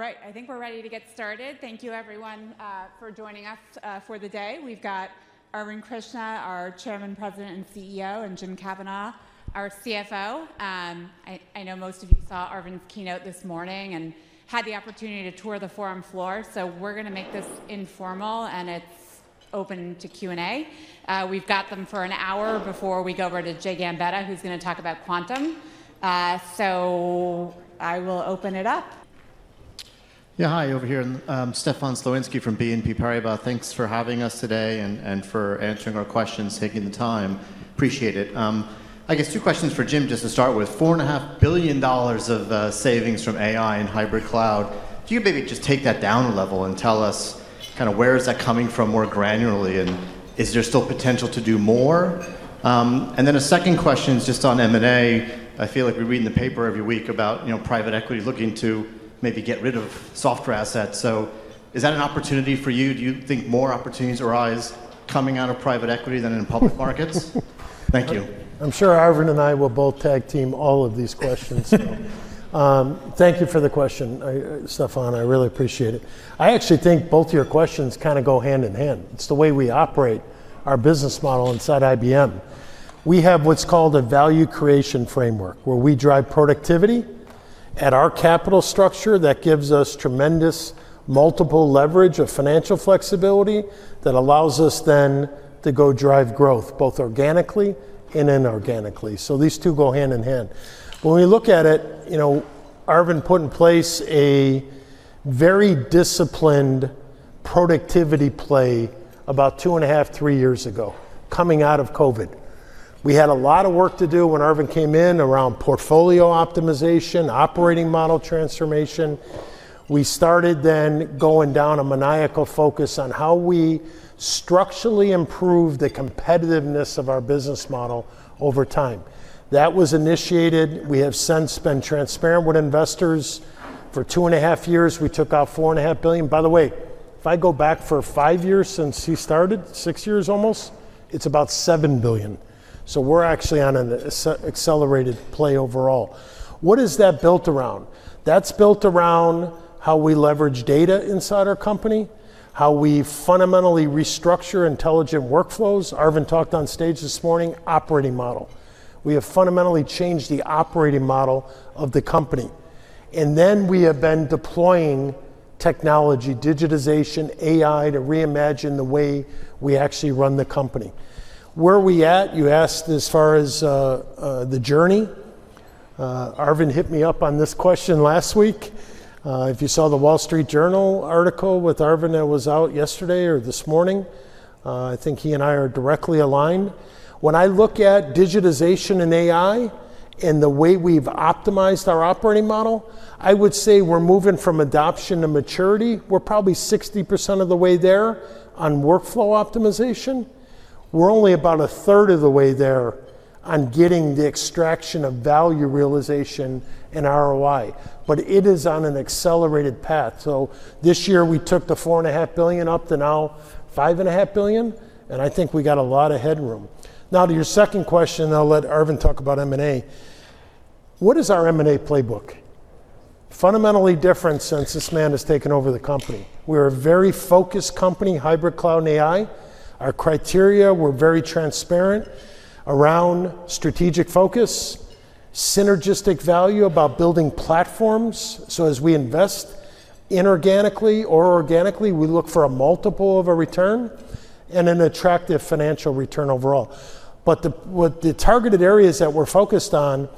All right. I think we're ready to get started. Thank you everyone for joining us for the day. We've got Arvind Krishna, our Chairman, President, and CEO, and Jim Kavanaugh, our CFO. I know most of you saw Arvind's keynote this morning and had the opportunity to tour the forum floor. We're going to make this informal, and it's open to Q&A. We've got them for an hour before we go over to Jay Gambetta, who's going to talk about Quantum. I will open it up. Hi. Over here, Stefan Slowinski from BNP Paribas. Thanks for having us today and for answering our questions, taking the time. Appreciate it. I guess two questions for Jim just to start with. $4.5 billion of savings from AI and hybrid cloud. Can you maybe just take that down a level and tell us where is that coming from more granularly, and is there still potential to do more? A second question is just on M&A. I feel like we read in the paper every week about private equity looking to maybe get rid of software assets. Is that an opportunity for you? Do you think more opportunities arise coming out of private equity than in public markets? Thank you. I'm sure Arvind and I will both tag team all of these questions. Thank you for the question, Stefan. I really appreciate it. I actually think both of your questions kind of go hand in hand. It's the way we operate our business model inside IBM. We have what's called a value creation framework, where we drive productivity at our capital structure that gives us tremendous multiple leverage of financial flexibility that allows us then to go drive growth both organically and inorganically. These two go hand in hand. When we look at it, Arvind put in place a very disciplined productivity play about two and a half, three years ago, coming out of COVID. We had a lot of work to do when Arvind came in around portfolio optimization, operating model transformation. We started going down a maniacal focus on how we structurally improve the competitiveness of our business model over time. That was initiated. We have since been transparent with investors for two and a half years. We took out four and a half billion. By the way, if I go back for five years since he started, six years almost, it's about $7 billion. We're actually on an accelerated play overall. What is that built around? That's built around how we leverage data inside our company, how we fundamentally restructure intelligent workflows. Arvind talked on stage this morning, operating model. We have fundamentally changed the operating model of the company and then we have been deploying technology, digitization, AI, to reimagine the way we actually run the company. Where are we at? You asked as far as the journey. Arvind hit me up on this question last week. If you saw The Wall Street Journal article with Arvind that was out yesterday or this morning, I think he and I are directly aligned. When I look at digitization and AI and the way we've optimized our operating model, I would say we're moving from adoption to maturity. We're probably 60% of the way there on workflow optimization. We're only about a third of the way there on getting the extraction of value realization and ROI but it is on an accelerated path. This year we took the $4.5 billion up to now $5.5 billion, and I think we got a lot of headroom. Now to your second question, I'll let Arvind talk about M&A. What is our M&A playbook? Fundamentally different since this man has taken over the company. We're a very focused company, hybrid cloud and AI. Our criteria, we're very transparent around strategic focus, synergistic value about building platforms. As we invest inorganically or organically, we look for a multiple of a return and an attractive financial return overall. With the targeted areas that we're focused on,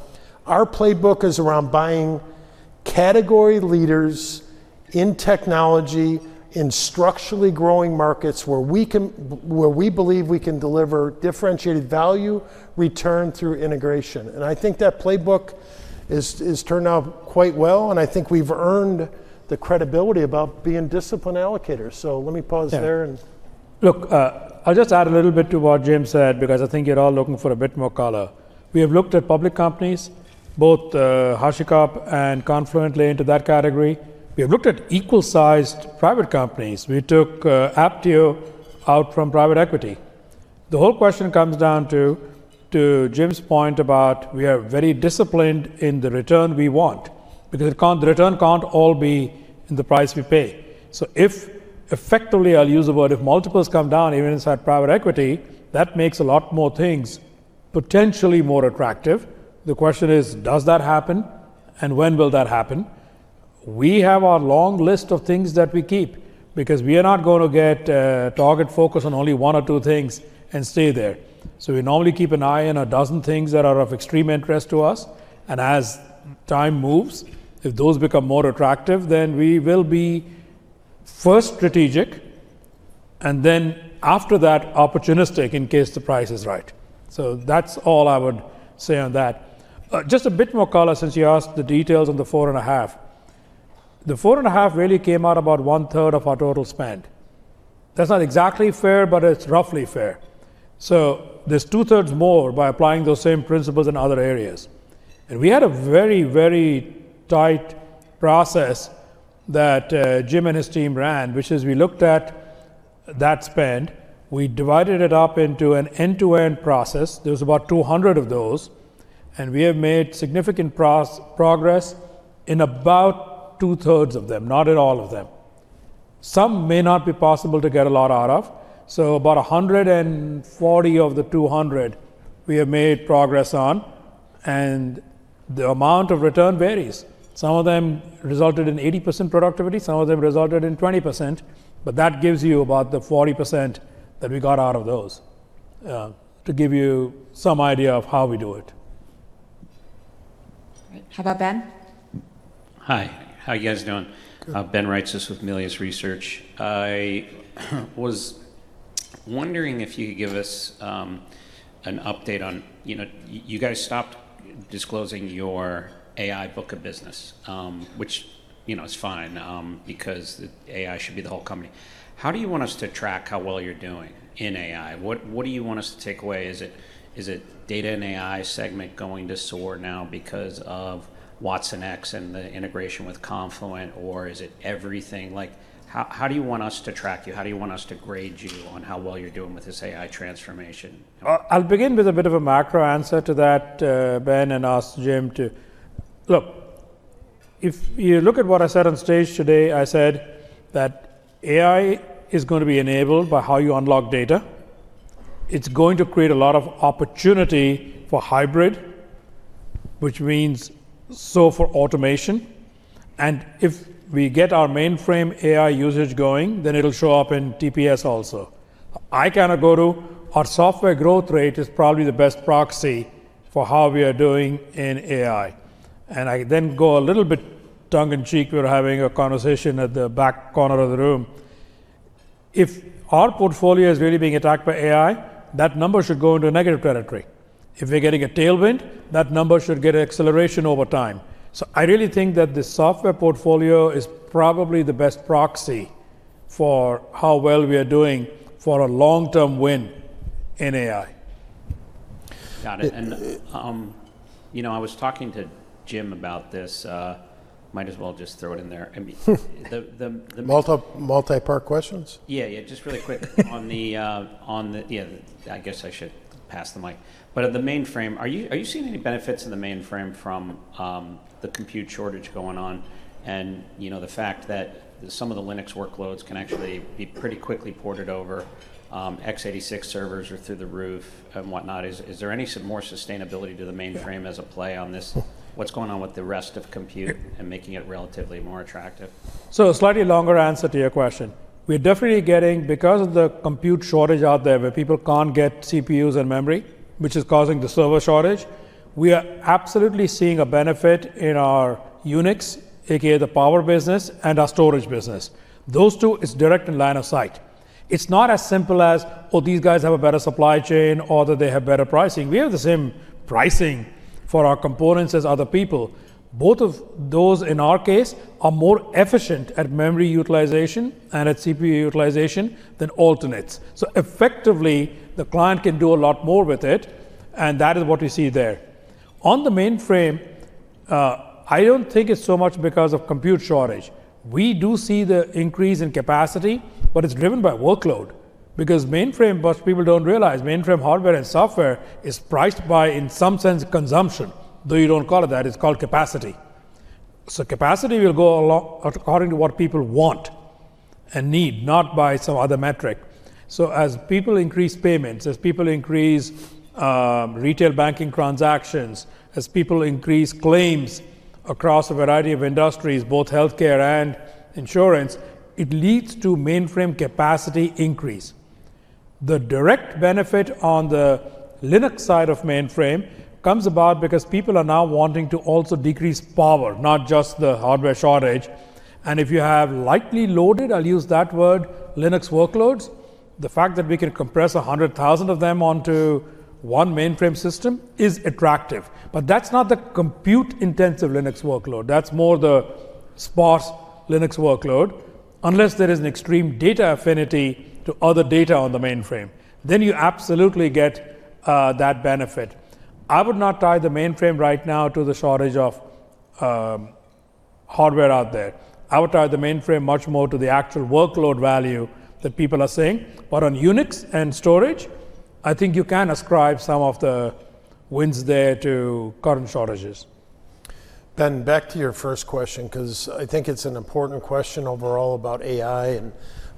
our playbook is around buying category leaders in technology, in structurally growing markets where we believe we can deliver differentiated value return through integration. I think that playbook has turned out quite well, and I think we've earned the credibility about being disciplined allocators. Let me pause there. Look, I'll just add a little bit to what Jim said, because I think you're all looking for a bit more color. We have looked at public companies, both HashiCorp and Confluent lay into that category. We have looked at equal-sized private companies. We took Apptio out from private equity. The whole question comes down to Jim's point about we are very disciplined in the return we want because the return can't all be in the price we pay. If effectively, I'll use the word, if multiples come down even inside private equity, that makes a lot more things potentially more attractive. The question is, does that happen and when will that happen? We have our long list of things that we keep because we are not going to get target-focused on only one or two things and stay there. We normally keep an eye on 12 things that are of extreme interest to us, and as time moves, if those become more attractive, then we will be, first, strategic and then after that, opportunistic in case the price is right. That's all I would say on that. Just a bit more color since you asked the details on the four and a half. The four and a half really came out about 1/3 of our total spend. That's not exactly fair, but it's roughly fair. There's 2/3 more by applying those same principles in other areas. We had a very tight process that Jim and his team ran, which is we looked at. That spend, we divided it up into an end-to-end process. There's about 200 of those. We have made significant progress in about 2/3 of them. Not in all of them. Some may not be possible to get a lot out of. About 140 of the 200 we have made progress on. The amount of return varies. Some of them resulted in 80% productivity, some of them resulted in 20%. That gives you about the 40% that we got out of those, to give you some idea of how we do it. Great. How about Ben? Hi. How you guys doing? Good. Ben Reitzes with Melius Research. I was wondering if you could give us an update on You guys stopped disclosing your AI book of business, which is fine, because AI should be the whole company. How do you want us to track how well you're doing in AI? What do you want us to take away? Is the data and AI segment going to soar now because of watsonx and the integration with Confluent, or is it everything? How do you want us to track you? How do you want us to grade you on how well you're doing with this AI transformation? I'll begin with a bit of a macro answer to that, Ben, and ask Jim to look, if you look at what I said on stage today, I said that AI is going to be enabled by how you unlock data. It's going to create a lot of opportunity for hybrid which means so for automation, and if we get our mainframe AI usage going, then it'll show up in TPS also. I kind of go to our software growth rate is probably the best proxy for how we are doing in AI. I then go a little bit tongue in cheek. We were having a conversation at the back corner of the room. If our portfolio is really being attacked by AI, that number should go into a negative territory. If we're getting a tailwind, that number should get acceleration over time. I really think that the software portfolio is probably the best proxy for how well we are doing for a long-term win in AI. Got it. I was talking to Jim about this, might as well just throw it in there. Multi-part questions? Yeah. Just really quick. I guess I should pass the mic. At the mainframe, are you seeing any benefits in the mainframe from the compute shortage going on, and the fact that some of the Linux workloads can actually be pretty quickly ported over, x86 servers are through the roof and whatnot. Is there any more sustainability to the mainframe as a play on this? What's going on with the rest of compute and making it relatively more attractive? A slightly longer answer to your question. We're definitely getting, because of the compute shortage out there, where people can't get CPUs and memory, which is causing the server shortage, we are absolutely seeing a benefit in our Unix, a.k.a. the power business, and our storage business. Those two is direct in line of sight. It's not as simple as, oh, these guys have a better supply chain, or that they have better pricing. We have the same pricing for our components as other people. Both of those, in our case, are more efficient at memory utilization and at CPU utilization than alternates. Effectively, the client can do a lot more with it, and that is what we see there. On the mainframe, I don't think it's so much because of compute shortage. We do see the increase in capacity, but it's driven by workload, because mainframe, most people don't realize, mainframe hardware and software is priced by, in some sense, consumption, though you don't call it that. It's called capacity. Capacity will go according to what people want and need, not by some other metric. As people increase payments, as people increase retail banking transactions, as people increase claims across a variety of industries, both healthcare and insurance, it leads to mainframe capacity increase. The direct benefit on the Linux side of mainframe comes about because people are now wanting to also decrease power, not just the hardware shortage. If you have lightly loaded, I'll use that word, Linux workloads, the fact that we can compress 100,000 of them onto one mainframe system is attractive. That's not the compute-intensive Linux workload. That's more the sparse Linux workload. Unless there is an extreme data affinity to other data on the mainframe, then you absolutely get that benefit. I would not tie the mainframe right now to the shortage of hardware out there. I would tie the mainframe much more to the actual workload value that people are seeing. On Unix and storage, I think you can ascribe some of the wins there to current shortages. Ben, back to your first question because I think it's an important question overall about AI and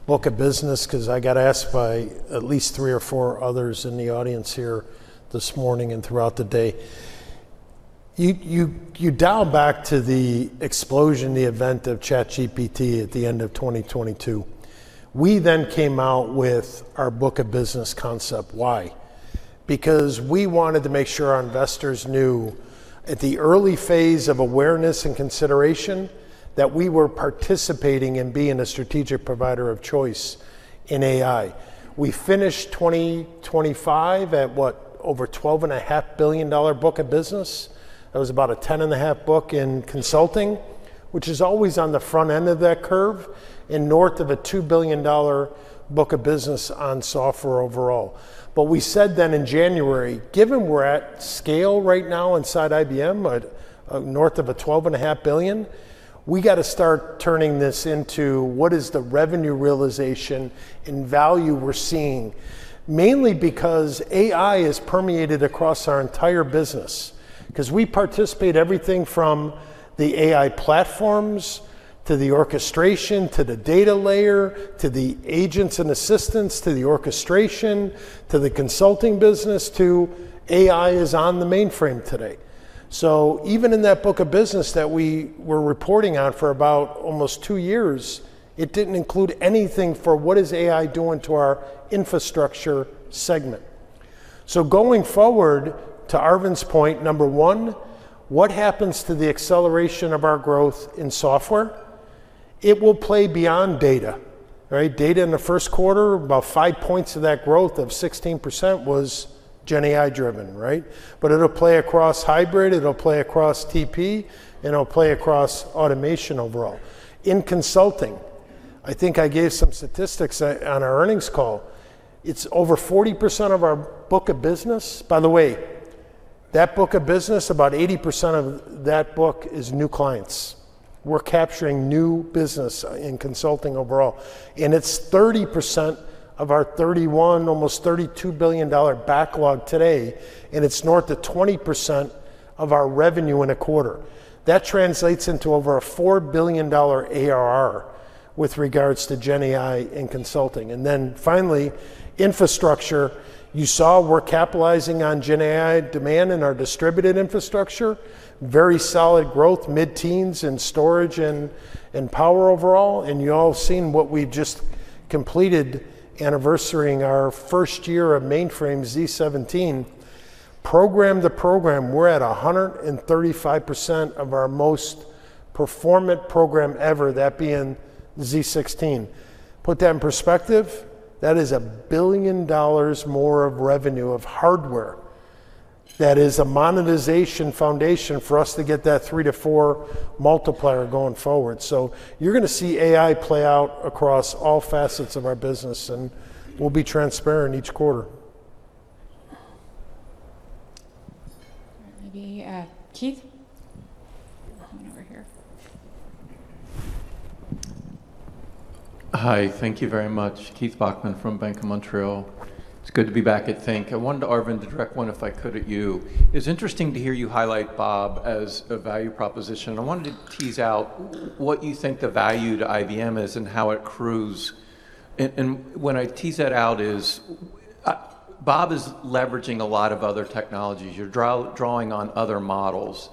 book of business, because I got asked by at least three or four others in the audience here this morning and throughout the day. You dial back to the explosion, the event of ChatGPT at the end of 2022. We came out with our book of business concept. Why? We wanted to make sure our investors knew at the early phase of awareness and consideration that we were participating in being a strategic provider of choice in AI. We finished 2025 at what? Over $12.5 billion book of business. That was about a ten and a half book in consulting, which is always on the front end of that curve, and north of a $2 billion book of business on software overall. We said then in January, given we're at scale right now inside IBM, north of a $12.5 billion, we got to start turning this into what is the revenue realization and value we're seeing. Mainly because AI has permeated across our entire business, because we participate everything from the AI platforms, to the orchestration, to the data layer, to the agents and assistants, to the orchestration, to the consulting business, to AI is on the mainframe today. Even in that book of business that we were reporting on for about almost two years, it didn't include anything for what is AI doing to our infrastructure segment. Going forward, to Arvind's point, number one, what happens to the acceleration of our growth in software? It will play beyond data, right? Data in the first quarter, about five points of that growth of 16% was GenAI driven, right? It'll play across hybrid, it'll play across TP, and it'll play across automation overall. In consulting, I think I gave some statistics on our earnings call. It's over 40% of our book of business. By the way, that book of business, about 80% of that book is new clients. We're capturing new business in consulting overall, and it's 30% of our $31 billion, almost $32 billion backlog today, and it's north of 20% of our revenue in a quarter. That translates into over a $4 billion ARR with regards to GenAI in consulting. Finally, infrastructure. You saw we're capitalizing on GenAI demand in our distributed infrastructure. Very solid growth, mid-teens in storage and in power overall. You all have seen what we just completed, anniversarying our first year of mainframe z17. Program to program, we're at 135% of our most performant program ever, that being the z16. Put that in perspective, that is $1 billion more of revenue of hardware. That is a monetization foundation for us to get that three to four multiplier going forward. You're going to see AI play out across all facets of our business, and we'll be transparent each quarter. Maybe, Keith? Coming over here. Hi, thank you very much. Keith Bachman from Bank of Montreal. It's good to be back at Think. I wanted to, Arvind, to direct one, if I could, at you. It's interesting to hear you highlight Bob as a value proposition. I wanted to tease out what you think the value to IBM is and how it accrues. When I tease that out is, Bob is leveraging a lot of other technologies. You're drawing on other models,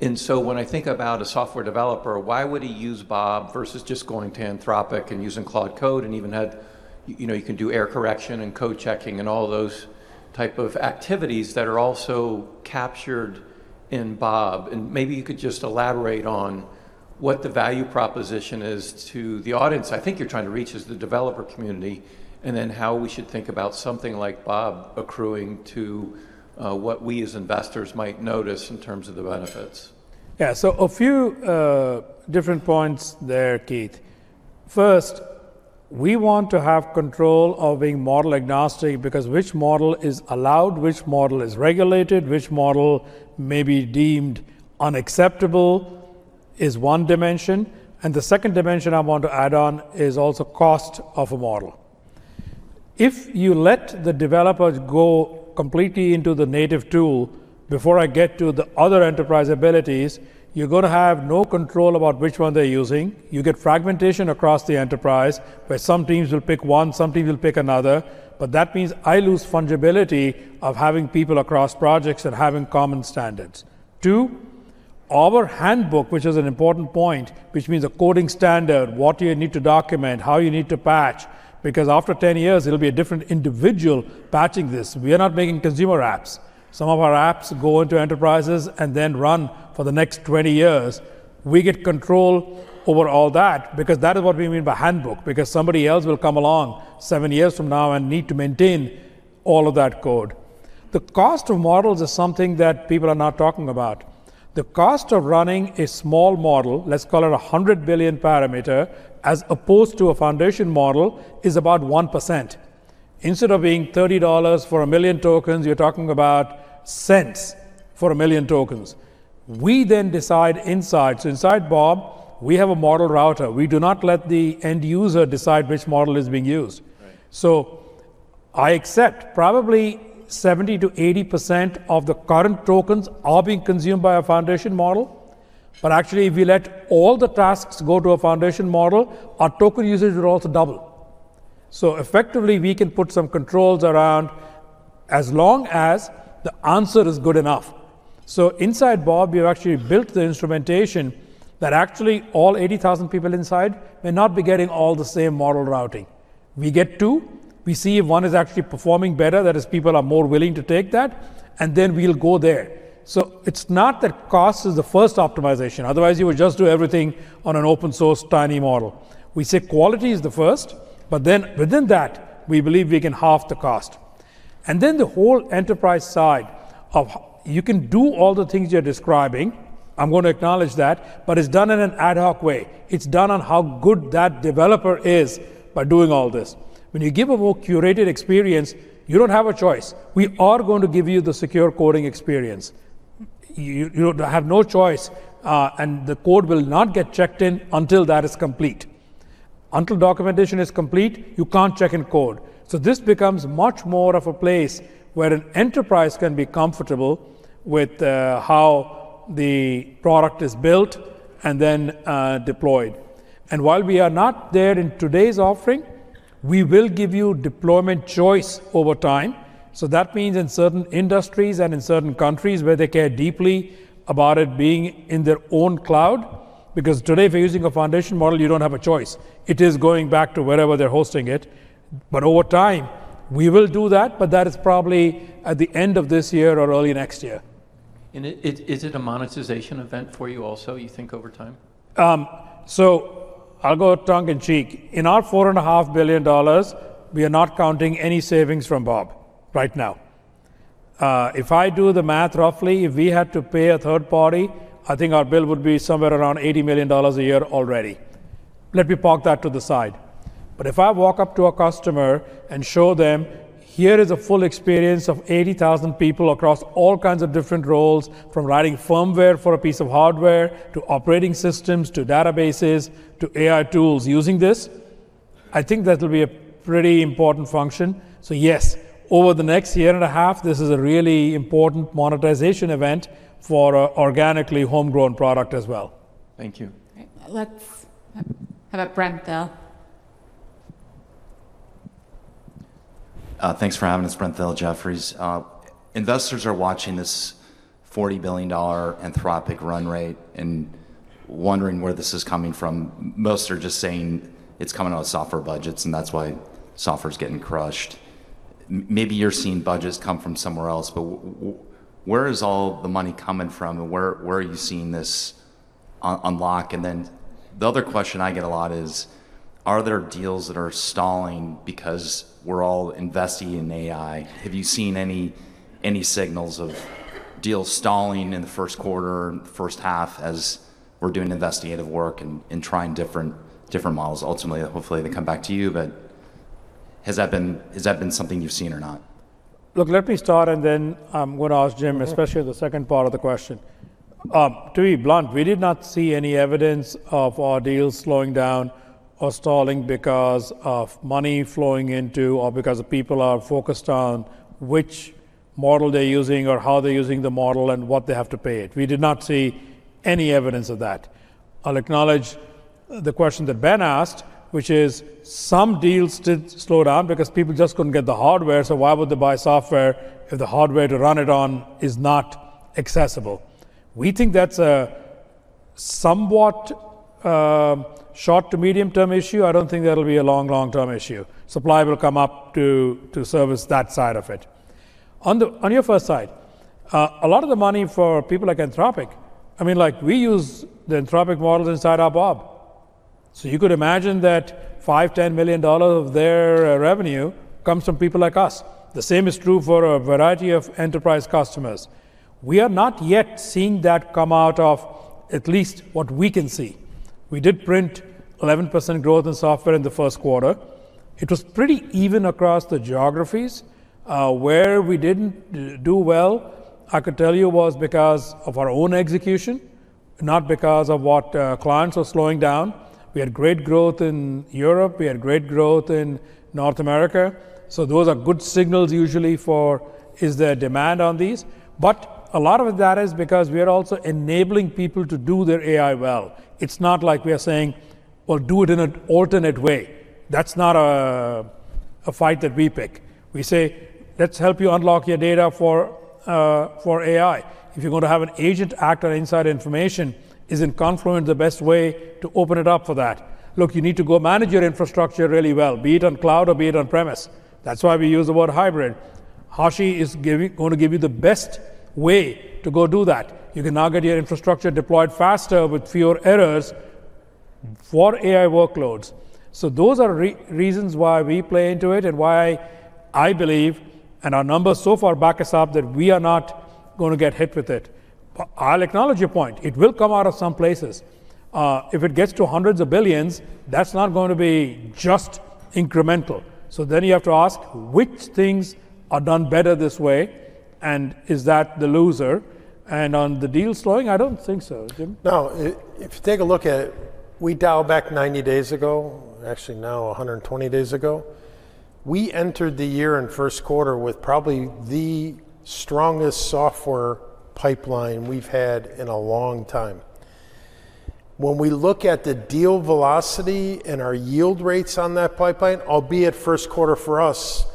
when I think about a software developer, why would he use Bob versus just going to Anthropic and using Claude Code and even had, you can do error correction and code checking and all those type of activities that are also captured in Bob. Maybe you could just elaborate on what the value proposition is to the audience I think you're trying to reach is the developer community and then how we should think about something like Bob accruing to what we as investors might notice in terms of the benefits. A few different points there, Keith. First, we want to have control of being model agnostic, because which model is allowed, which model is regulated, which model may be deemed unacceptable is one dimension, and the second dimension I want to add on is also cost of a model. If you let the developers go completely into the native tool before I get to the other enterprise abilities, you're going to have no control about which one they're using. You get fragmentation across the enterprise, where some teams will pick one, some teams will pick another. That means I lose fungibility of having people across projects and having common standards. Two, our handbook, which is an important point, which means a coding standard, what you need to document, how you need to patch because after 10 years, it'll be a different individual patching this. We are not making consumer apps. Some of our apps go into enterprises and then run for the next 20 years. We get control over all that because that is what we mean by handbook, because somebody else will come along seven years from now and need to maintain all of that code. The cost of models is something that people are not talking about. The cost of running a small model, let's call it 100 billion parameter, as opposed to a foundation model, is about 1%. Instead of being $30 for a million tokens, you're talking about cents for a million tokens. We decide inside. Inside Bob, we have a model router. We do not let the end user decide which model is being used. Right. I accept probably 70%-80% of the current tokens are being consumed by a foundation model. Actually, if we let all the tasks go to a foundation model, our token usage will also double. Effectively, we can put some controls around as long as the answer is good enough. Inside Bob, we have actually built the instrumentation that actually all 80,000 people inside may not be getting all the same model routing. We get two, we see if one is actually performing better, that is, people are more willing to take that, and then we'll go there. It's not that cost is the first optimization. Otherwise, you will just do everything on an open source tiny model. We say quality is the first, within that, we believe we can halve the cost. You can do all the things you're describing, I'm going to acknowledge that, but it's done in an ad hoc way. It's done on how good that developer is by doing all this. When you give a more curated experience, you don't have a choice. We are going to give you the secure coding experience. You have no choice, and the code will not get checked in until that is complete. Until documentation is complete, you can't check in code. This becomes much more of a place where an enterprise can be comfortable with how the product is built and then deployed. While we are not there in today's offering, we will give you deployment choice over time. That means in certain industries and in certain countries where they care deeply about it being in their own cloud, because today, if you're using a foundation model, you don't have a choice. It is going back to wherever they're hosting it. Over time, we will do that, but that is probably at the end of this year or early next year. Is it a monetization event for you also, you think, over time? I'll go tongue in cheek. In our $4.5 billion, we are not counting any savings from Bob right now. If I do the math, roughly, if we had to pay a third party, I think our bill would be somewhere around $80 million a year already. Let me park that to the side. If I walk up to a customer and show them, Here is a full experience of 80,000 people across all kinds of different roles, from writing firmware for a piece of hardware, to operating systems, to databases, to AI tools using this, I think that will be a pretty important function. Yes, over the next year and a half, this is a really important monetization event for organically homegrown product as well. Thank you. Great. How about Brent Thill? Thanks for having us. Brent Thill, Jefferies. Investors are watching this $40 billion Anthropic run rate and wondering where this is coming from. Most are just saying it's coming out of software budgets, and that's why software's getting crushed. Where is all the money coming from and where are you seeing this unlock? The other question I get a lot is, are there deals that are stalling because we're all investing in AI? Have you seen any signals of deals stalling in the first quarter, first half as we're doing investigative work and trying different models? Ultimately, hopefully, they come back to you, but has that been something you've seen or not? Let me start. I'm going to ask Jim, especially the second part of the question. To be blunt, we did not see any evidence of our deals slowing down or stalling because of money flowing into or because people are focused on which model they're using or how they're using the model and what they have to pay it. We did not see any evidence of that. I'll acknowledge the question that Ben asked, which is some deals did slow down because people just couldn't get the hardware. Why would they buy software if the hardware to run it on is not accessible? We think that's a somewhat short to medium term issue. I don't think that'll be a long-term issue. Supply will come up to service that side of it. On your first side, a lot of the money for people like Anthropic, we use the Anthropic models inside our Bob. You could imagine that $5 million-$10 million of their revenue comes from people like us. The same is true for a variety of enterprise customers. We are not yet seeing that come out of at least what we can see. We did print 11% growth in software in the first quarter. It was pretty even across the geographies. Where we didn't do well, I could tell you, was because of our own execution, not because of what clients were slowing down. We had great growth in Europe. We had great growth in North America. Those are good signals usually for, is there demand on these? A lot of that is because we are also enabling people to do their AI well. It's not like we are saying, Well, do it in an alternate way. That's not a fight that we pick. We say, Let's help you unlock your data for AI. If you're going to have an agent act on inside information, isn't Confluent the best way to open it up for that? Look, you need to go manage your infrastructure really well, be it on cloud or be it on premise. That's why we use the word hybrid. Hashi is going to give you the best way to go do that. You can now get your infrastructure deployed faster with fewer errors for AI workloads. Those are reasons why we play into it and why I believe, and our numbers so far back us up, that we are not going to get hit with it. I'll acknowledge your point. It will come out of some places. If it gets to hundreds of billions, that's not going to be just incremental. You have to ask, which things are done better this way, and is that the loser? On the deals slowing, I don't think so. Jim? No. We dial back 90 days ago, actually now 120 days ago. We entered the year and first quarter with probably the strongest software pipeline we've had in a long time. We look at the deal velocity and our yield rates on that pipeline, albeit first quarter for us,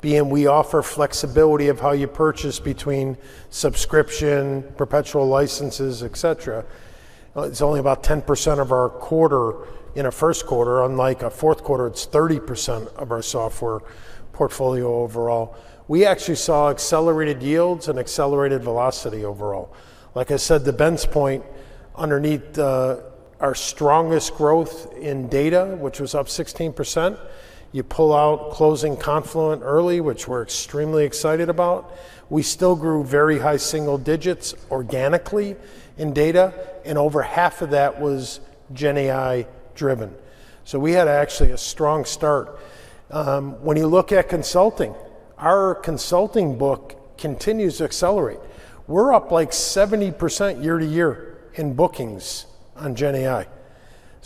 being we offer flexibility of how you purchase between subscription, perpetual licenses, et cetera, it's only about 10% of our quarter in a first quarter, unlike a fourth quarter, it's 30% of our software portfolio overall. We actually saw accelerated yields and accelerated velocity overall. Like I said to Ben's point, underneath our strongest growth in data, which was up 16%, you pull out closing Confluent early, which we're extremely excited about. We still grew very high single digits organically in data, and over half of that was GenAI driven. We had actually a strong start. When you look at consulting, our consulting book continues to accelerate. We're up like 70% year-over-year in bookings on GenAI.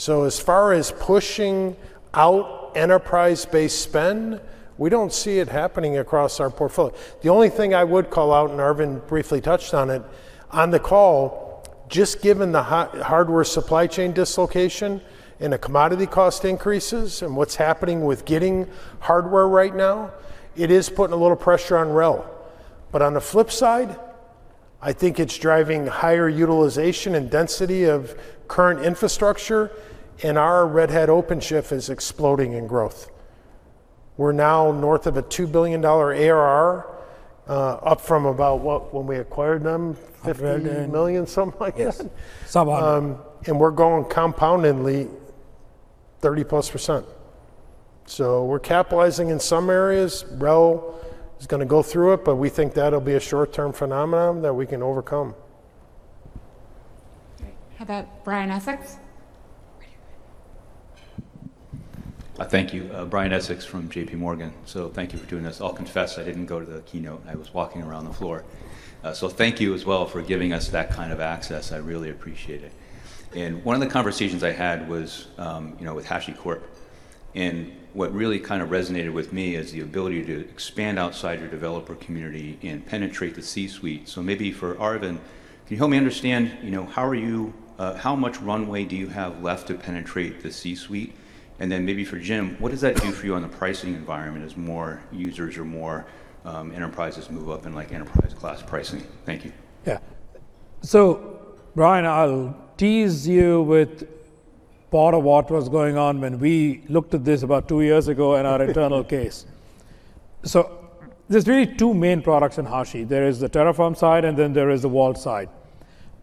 As far as pushing out enterprise-based spend, we don't see it happening across our portfolio. The only thing I would call out, and Arvind briefly touched on it on the call, just given the hardware supply chain dislocation and the commodity cost increases and what's happening with getting hardware right now, it is putting a little pressure on RHEL. On the flip side, I think it's driving higher utilization and density of current infrastructure, and our Red Hat OpenShift is exploding in growth. We're now north of a $2 billion ARR, up from about, what, when we acquired them, $50 million, something like that? Yes. Some. We're growing compoundedly 30+%. We're capitalizing in some areas. RHEL is going to go through it, but we think that'll be a short-term phenomenon that we can overcome. Great. How about Brian Essex? Where are you? Thank you. Brian Essex from J.P. Morgan. Thank you for doing this. I'll confess, I didn't go to the keynote. I was walking around the floor. Thank you as well for giving us that kind of access. I really appreciate it. One of the conversations I had was with HashiCorp, and what really resonated with me is the ability to expand outside your developer community and penetrate the C-suite. Maybe for Arvind, can you help me understand how much runway do you have left to penetrate the C-suite? Maybe for Jim, what does that do for you on the pricing environment as more users or more enterprises move up in enterprise class pricing? Thank you. So Brian, I'll tease you with part of what was going on when we looked at this about two years ago in our internal case. There's really two main products in Hashi. There is the Terraform side, and then there is the Vault side.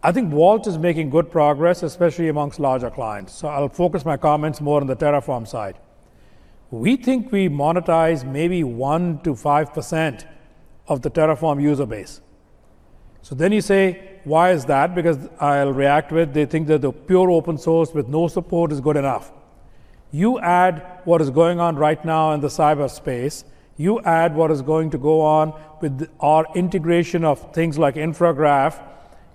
I think Vault is making good progress, especially amongst larger clients, so I'll focus my comments more on the Terraform side. We think we monetize maybe 1%-5% of the Terraform user base. You say, Why is that? Because I'll react with, they think that the pure open source with no support is good enough. You add what is going on right now in the cyberspace. You add what is going to go on with our integration of things like InfraGraph.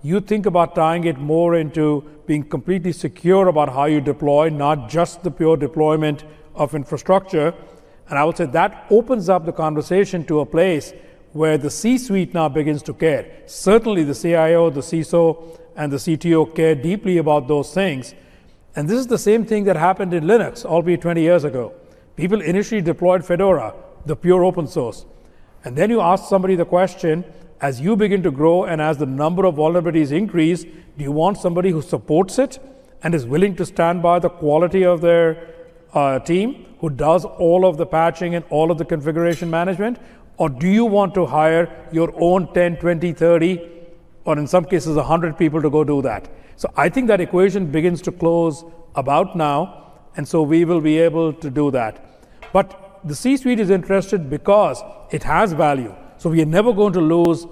You think about tying it more into being completely secure about how you deploy, not just the pure deployment of infrastructure. I would say that opens up the conversation to a place where the C-suite now begins to care. Certainly, the CIO, the CISO, and the CTO care deeply about those things. This is the same thing that happened in Linux, albeit 20 years ago. People initially deployed Fedora, the pure open source, and then you ask somebody the question, as you begin to grow and as the number of vulnerabilities increase, do you want somebody who supports it and is willing to stand by the quality of their team, who does all of the patching and all of the configuration management? Or do you want to hire your own 10, 20, 30, or in some cases, 100 people to go do that? I think that equation begins to close about now, and so we will be able to do that. The C-suite is interested because it has value, so we are never going to lose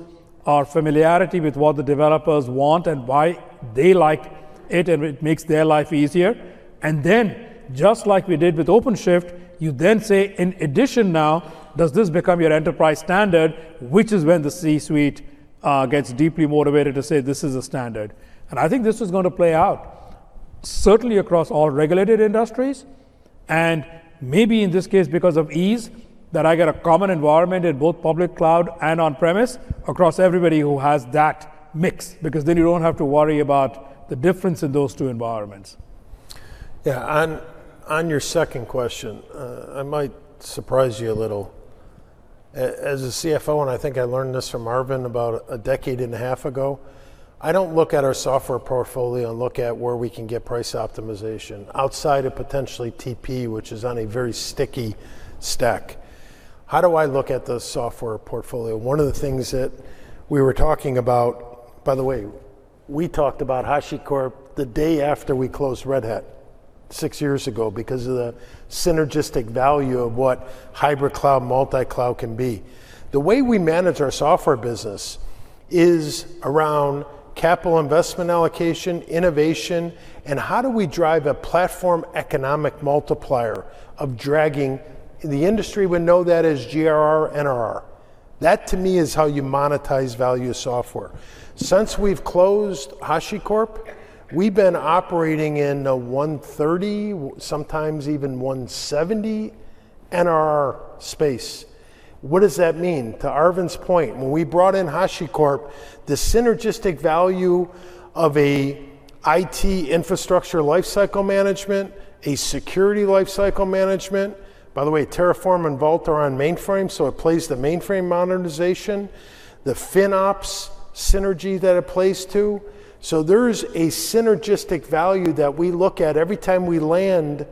our familiarity with what the developers want and why they like it, and it makes their life easier. Then just like we did with OpenShift, you then say, in addition now, does this become your enterprise standard? Which is when the C-suite gets deeply motivated to say, This is a standard. I think this is going to play out certainly across all regulated industries and maybe in this case, because of ease, that I get a common environment in both public cloud and on premise across everybody who has that mix. Then you don't have to worry about the difference in those two environments. On your second question, I might surprise you a little. As a CFO, and I think I learned this from Arvind about a decade and a half ago, I don't look at our software portfolio and look at where we can get price optimization outside of potentially TP, which is on a very sticky stack. How do I look at the software portfolio? One of the things that we were talking about. By the way, we talked about HashiCorp the day after we closed Red Hat six years ago because of the synergistic value of what hybrid cloud, multi-cloud can be. The way we manage our software business is around capital investment allocation, innovation, and how do we drive a platform economic multiplier of dragging. The industry would know that as GRR, NRR. That, to me, is how you monetize value of software. Since we've closed HashiCorp, we've been operating in a 130, sometimes even 170 NRR space. What does that mean? To Arvind's point, when we brought in HashiCorp, the synergistic value of a IT infrastructure lifecycle management, a security lifecycle management. By the way, Terraform and Vault are on mainframe, so it plays the mainframe modernization, the FinOps synergy that it plays to. There's a synergistic value that we look at every time we land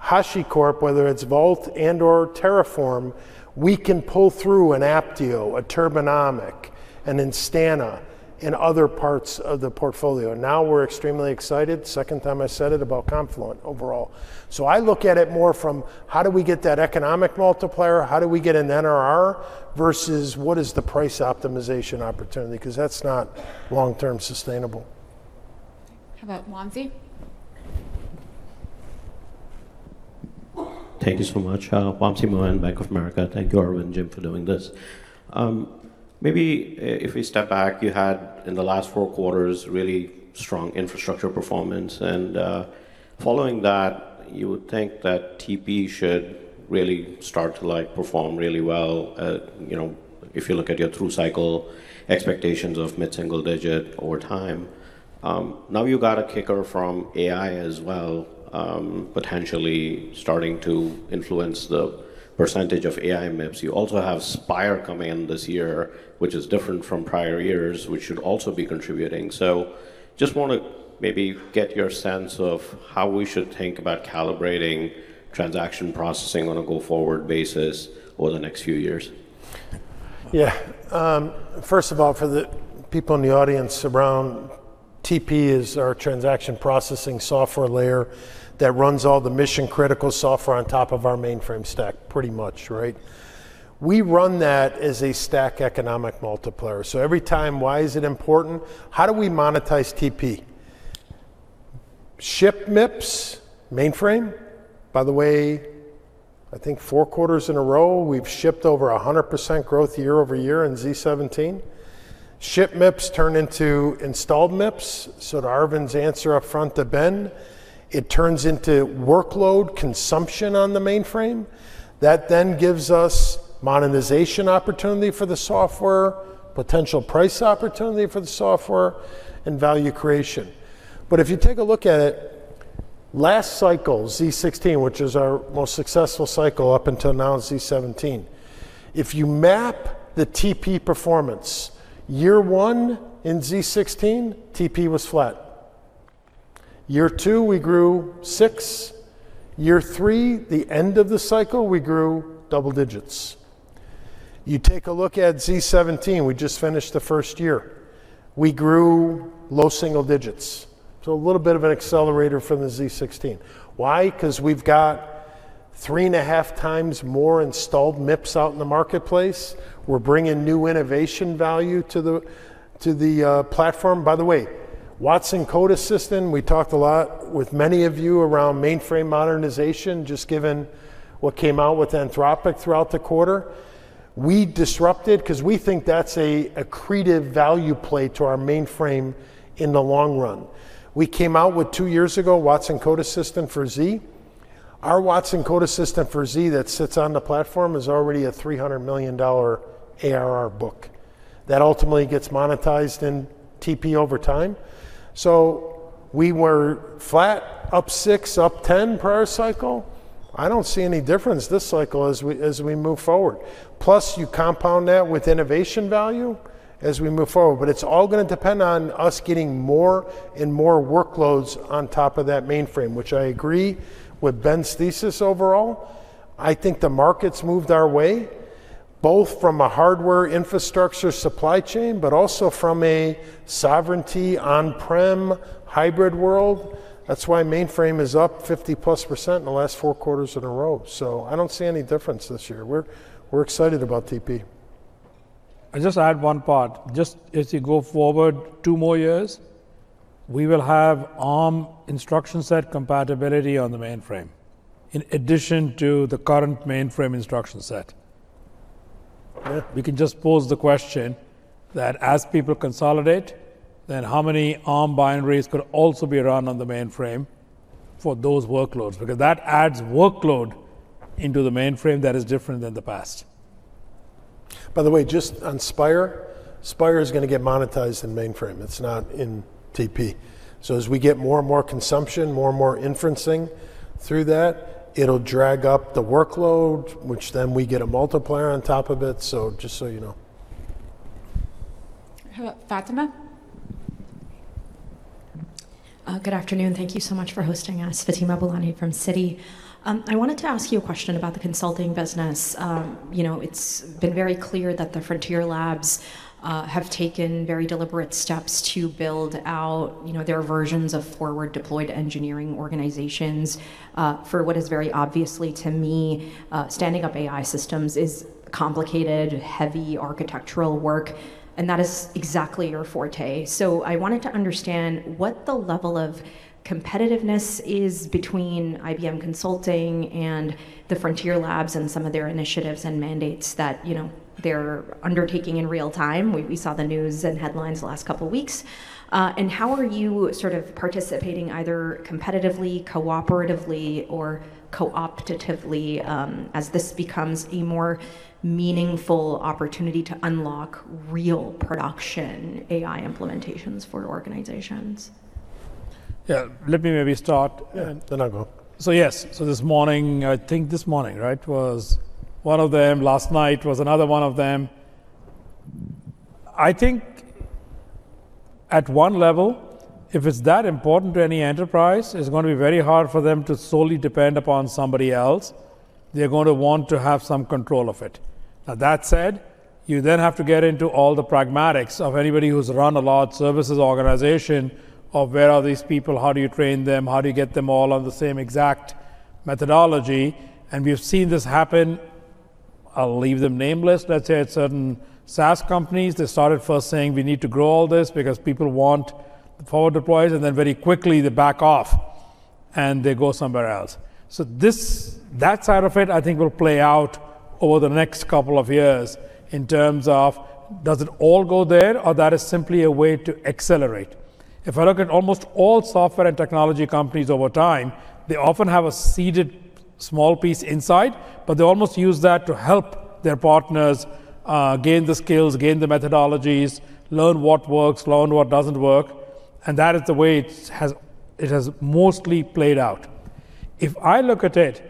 HashiCorp, whether it's Vault and/or Terraform, we can pull through an Apptio, a Turbonomic, an Instana in other parts of the portfolio. We're extremely excited, second time I said it, about Confluent overall. I look at it more from how do we get that economic multiplier? How do we get an NRR versus what is the price optimization opportunity? That's not long-term sustainable. How about Wamsi? Thank you so much. Wamsi Mohan, Bank of America. Thank you, Arvind, Jim, for doing this. Maybe if we step back, you had in the last four quarters, really strong infrastructure performance. Following that, you would think that TP should really start to perform really well. If you look at your through-cycle expectations of mid-single-digit over time. You got a kicker from AI as well, potentially starting to influence the percentage of AI MIPS. You also have Spyre Accelerator coming in this year, which is different from prior years, which should also be contributing. Just want to maybe get your sense of how we should think about calibrating transaction processing on a go-forward basis over the next few years. Yeah. First of all, for the people in the audience around, TP is our transaction processing software layer that runs all the mission-critical software on top of our mainframe stack, pretty much. We run that as a stack economic multiplier. Every time, why is it important? How do we monetize TP? Shipped MIPS mainframe. By the way, I think four quarters in a row, we've shipped over 100% growth year-over-year in z17. Shipped MIPS turn into installed MIPS. To Arvind's answer up front to Ben, it turns into workload consumption on the mainframe. That then gives us monetization opportunity for the software, potential price opportunity for the software, and value creation. If you take a look at it, last cycle, z16, which is our most successful cycle up until now is z17. If you map the TP performance, year one in z16, TP was flat. Year two, we grew six. Year three, the end of the cycle, we grew double digits. You take a look at z17, we just finished the 1st year. We grew low single digits. A little bit of an accelerator from the z16. Why? We've got 3.5x more installed MIPS out in the marketplace. We're bringing new innovation value to the platform. By the way, watsonx Code Assistant, we talked a lot with many of you around mainframe modernization, just given what came out with Anthropic throughout the quarter. We disrupted because we think that's a accretive value play to our mainframe in the long run. We came out with two years ago, watsonx Code Assistant for Z. Our watsonx Code Assistant for Z that sits on the platform is already a $300 million ARR book. That ultimately gets monetized in TP over time. We were flat, up 10 prior cycle. I don't see any difference this cycle as we move forward. Plus, you compound that with innovation value as we move forward. It's all going to depend on us getting more and more workloads on top of that mainframe, which I agree with Ben's thesis overall. I think the market's moved our way, both from a hardware infrastructure supply chain, but also from a sovereignty on-prem hybrid world. That's why mainframe is up 50%+ in the last four quarters in a row. I don't see any difference this year. We're excited about TP. I just add one part. Just as you go forward two more years, we will have ARM instruction set compatibility on the mainframe in addition to the current mainframe instruction set. Yeah. We can just pose the question that as people consolidate, then how many ARM binaries could also be run on the mainframe for those workloads? That adds workload into the mainframe that is different than the past. By the way, just on Spyre. Spyre is going to get monetized in mainframe. It's not in TP. As we get more and more consumption, more and more inferencing through that, it'll drag up the workload, which then we get a multiplier on top of it. Just so you know. How about Fatima? Good afternoon. Thank you so much for hosting us. Fatima Boolani from Citi. I wanted to ask you a question about the consulting business. It's been very clear that the Frontier Labs have taken very deliberate steps to build out their versions of forward deployed engineering organizations, for what is very obviously to me, standing up AI systems is complicated, heavy architectural work, and that is exactly your forte. I wanted to understand what the level of competitiveness is between IBM Consulting and the Frontier Labs and some of their initiatives and mandates that they're undertaking in real time. We saw the news and headlines the last couple of weeks. How are you sort of participating either competitively, cooperatively, or cooptatively, as this becomes a more meaningful opportunity to unlock real production AI implementations for organizations? Yeah, let me maybe start. Yeah. I'll go Yes. This morning, I think this morning was one of them. Last night was another one of them. I think at one level, if it's that important to any enterprise, it's going to be very hard for them to solely depend upon somebody else. They're going to want to have some control of it. That said, you then have to get into all the pragmatics of anybody who's run a large services organization of where are these people? How do you train them? How do you get them all on the same exact methodology? We've seen this happen, I'll leave them nameless, let's say at certain SaaS companies. They started first saying, We need to grow all this because people want the forward deploys, and then very quickly they back off, and they go somewhere else. That side of it, I think, will play out over the next couple of years in terms of does it all go there, or that is simply a way to accelerate? If I look at almost all software and technology companies over time, they often have a seeded small piece inside, but they almost use that to help their partners gain the skills, gain the methodologies, learn what works, learn what doesn't work. That is the way it has mostly played out. If I look at it,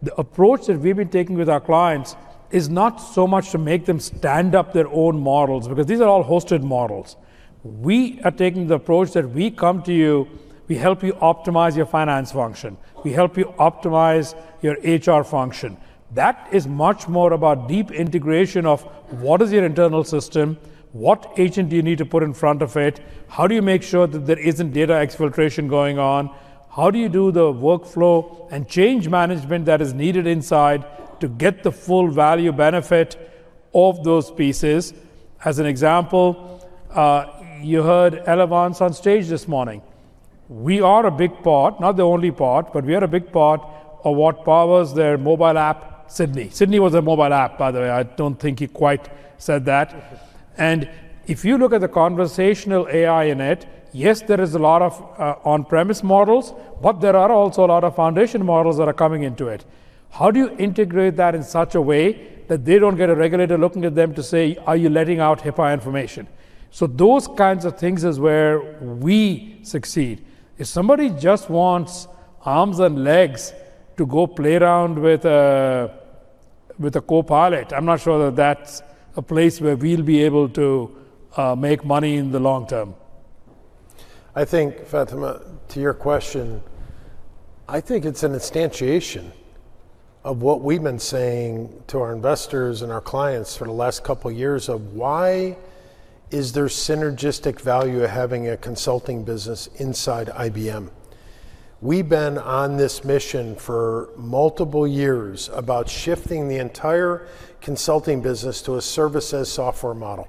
the approach that we've been taking with our clients is not so much to make them stand up their own models because these are all hosted models. We are taking the approach that we come to you, we help you optimize your finance function. We help you optimize your HR function. That is much more about deep integration of what is your internal system, what agent do you need to put in front of it? How do you make sure that there isn't data exfiltration going on? How do you do the workflow and change management that is needed inside to get the full value benefit of those pieces? As an example, you heard Elevance on stage this morning. We are a big part, not the only part, but we are a big part of what powers their mobile app, Sydney. Sydney was a mobile app, by the way. I don't think he quite said that. If you look at the conversational AI in it, yes, there is a lot of on-premise models, but there are also a lot of foundation models that are coming into it. How do you integrate that in such a way that they don't get a regulator looking at them to say, Are you letting out HIPAA information? Those kinds of things is where we succeed. If somebody just wants arms and legs to go play around with a copilot, I'm not sure that that's a place where we'll be able to make money in the long term. I think, Fatima, to your question, I think it's an instantiation of what we've been saying to our investors and our clients for the last couple of years of why is there synergistic value of having a consulting business inside IBM? We've been on this mission for multiple years about shifting the entire consulting business to a service as a software model.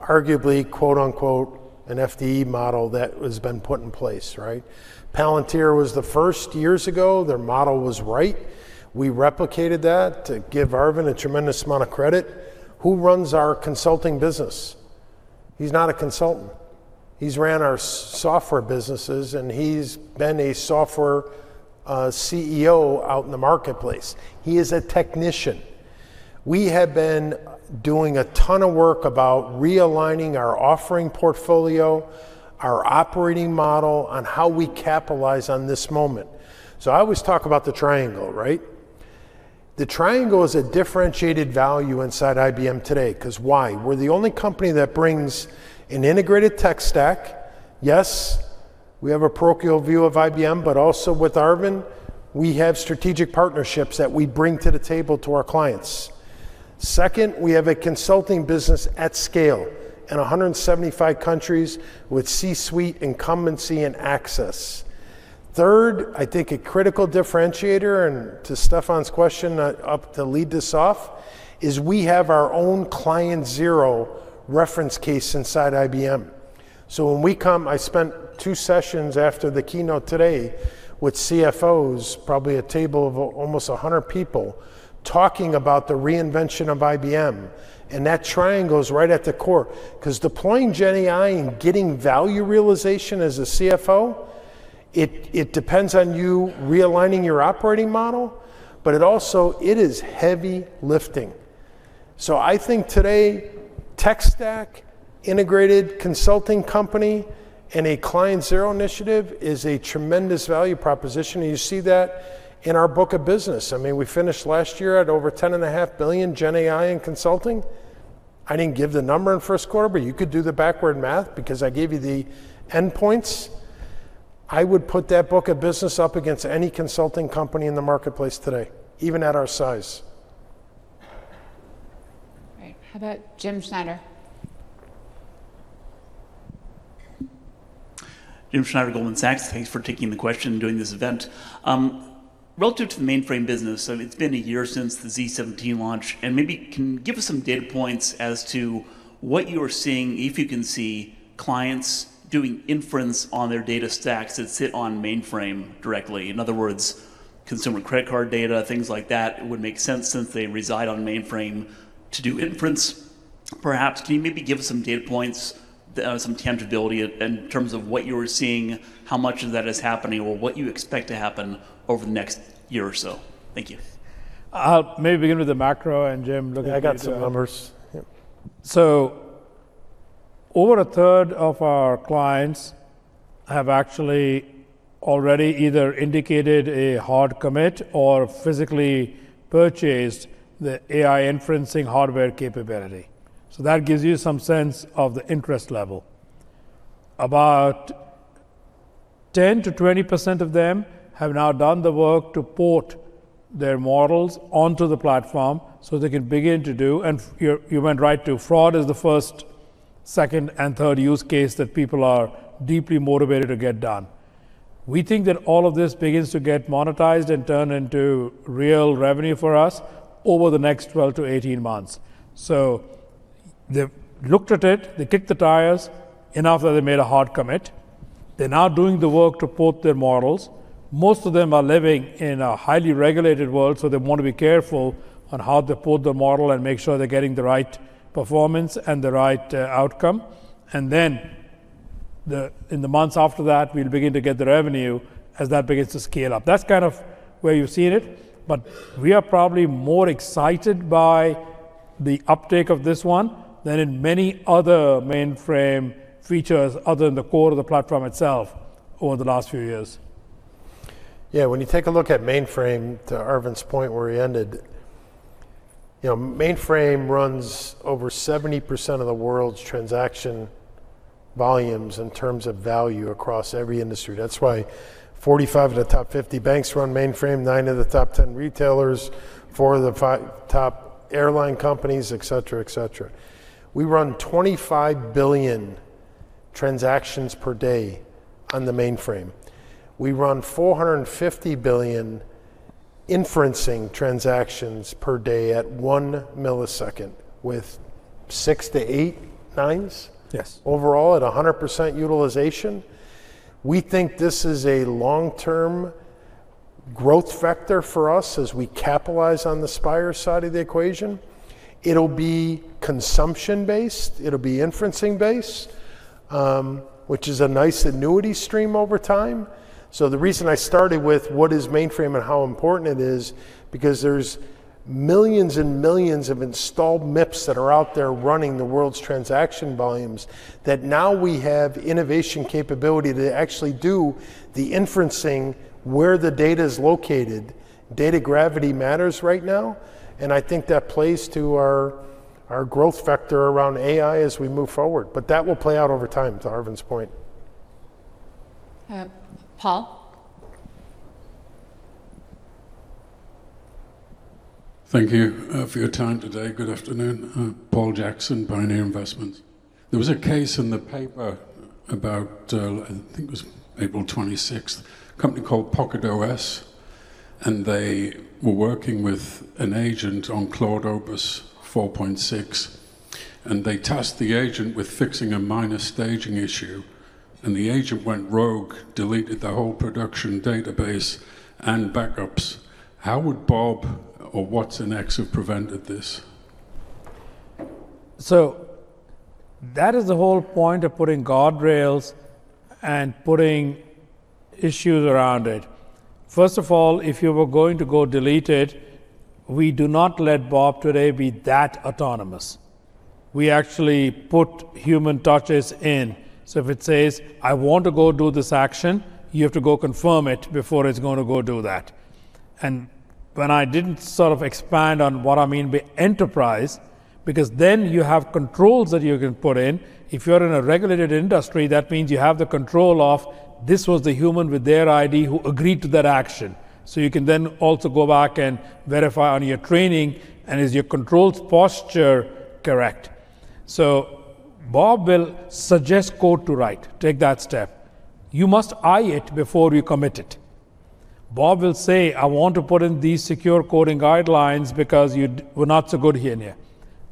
Arguably, quote-unquote, An FDE model that has been put in place. Palantir was the first years ago. Their model was right. We replicated that. To give Arvind a tremendous amount of credit, who runs our consulting business? He's not a consultant. He's ran our software businesses, and he's been a software CEO out in the marketplace. He is a technician. We have been doing a ton of work about realigning our offering portfolio, our operating model on how we capitalize on this moment. I always talk about the triangle, right? The triangle is a differentiated value inside IBM today, because why? We're the only company that brings an integrated tech stack. Yes, we have a parochial view of IBM, but also with Arvind, we have strategic partnerships that we bring to the table to our clients. Second, we have a consulting business at scale in 175 countries with C-suite incumbency and access. Third, I think a critical differentiator, and to Stefan's question up to lead this off, is we have our own client zero reference case inside IBM. When we come, I spent two sessions after the keynote today with CFOs, probably a table of almost 100 people, talking about the reinvention of IBM. That triangle is right at the core because deploying GenAI and getting value realization as a CFO, it depends on you realigning your operating model, but it also is heavy lifting. I think today, tech stack, integrated consulting company, and a client zero initiative is a tremendous value proposition, and you see that in our book of business. We finished last year at over $10.5 billion GenAI in consulting. I didn't give the number in first quarter, but you could do the backward math because I gave you the endpoints. I would put that book of business up against any consulting company in the marketplace today, even at our size. Right. How about Jim Schneider? Jim Schneider, Goldman Sachs. Thanks for taking the question and doing this event. Relative to the mainframe business, so it's been a year since the z17 launch, and maybe can you give us some data points as to what you are seeing, if you can see clients doing inference on their data stacks that sit on mainframe directly? In other words, consumer credit card data, things like that. It would make sense since they reside on mainframe to do inference, perhaps. Can you maybe give us some data points, some tangibility in terms of what you are seeing, how much of that is happening, or what you expect to happen over the next year or so? Thank you. I'll maybe begin with the macro and Jim, look, I got some numbers. Yeah Over a third of our clients have actually already either indicated a hard commit or physically purchased the AI inferencing hardware capability. That gives you some sense of the interest level. About 10% to 20% of them have now done the work to port their models onto the platform so they can begin to do, and you went right to fraud is the first, second, and third use case that people are deeply motivated to get done. We think that all of this begins to get monetized and turn into real revenue for us over the next 12 to 18 months. They've looked at it, they kicked the tires enough that they made a hard commit. They're now doing the work to port their models. Most of them are living in a highly regulated world. They want to be careful on how they port the model and make sure they're getting the right performance and the right outcome. In the months after that, we'll begin to get the revenue as that begins to scale up. That's kind of where you've seen it. We are probably more excited by the uptake of this one than in many other mainframe features other than the core of the platform itself over the last few years. When you take a look at mainframe, to Arvind's point where he ended, mainframe runs over 70% of the world's transaction volumes in terms of value across every industry. That's why 45 of the top 50 banks run mainframe, nine of the top 10 retailers, four of the five top airline companies, et cetera. We run 25 billion transactions per day on the mainframe. We run 450 billion inferencing transactions per day at 1 ms with 68 nines. Yes Overall at 100% utilization. We think this is a long-term growth factor for us as we capitalize on the Spyre side of the equation. It'll be consumption-based, it'll be inferencing based, which is a nice annuity stream over time. The reason I started with what is mainframe and how important it is, because there's millions and millions of installed MIPS that are out there running the world's transaction volumes that now we have innovation capability to actually do the inferencing where the data is located. Data gravity matters right now, I think that plays to our growth factor around AI as we move forward. That will play out over time, to Arvind's point. Paul. Thank you for your time today. Good afternoon. Paul Jackson, Pioneer Investments. There was a case in the paper about, I think it was April 26th, a company called PocketOS. They were working with an agent on Claude Opus 4.6. They tasked the agent with fixing a minor staging issue. The agent went rogue, deleted the whole production database and backups. How would Bob or Watsonx have prevented this? That is the whole point of putting guardrails and putting issues around it. First of all, if you were going to go delete it, we do not let BoB today be that autonomous. We actually put human touches in, so if it says, I want to go do this action, you have to go confirm it before it's going to go do that. When I didn't sort of expand on what I mean by enterprise, because then you have controls that you can put in. If you're in a regulated industry, that means you have the control of this was the human with their ID who agreed to that action. You can then also go back and verify on your training and is your controlled posture correct. BoB will suggest code to write, take that step. You must eye it before you commit it. Bob will say, I want to put in these secure coding guidelines because you were not so good here and here.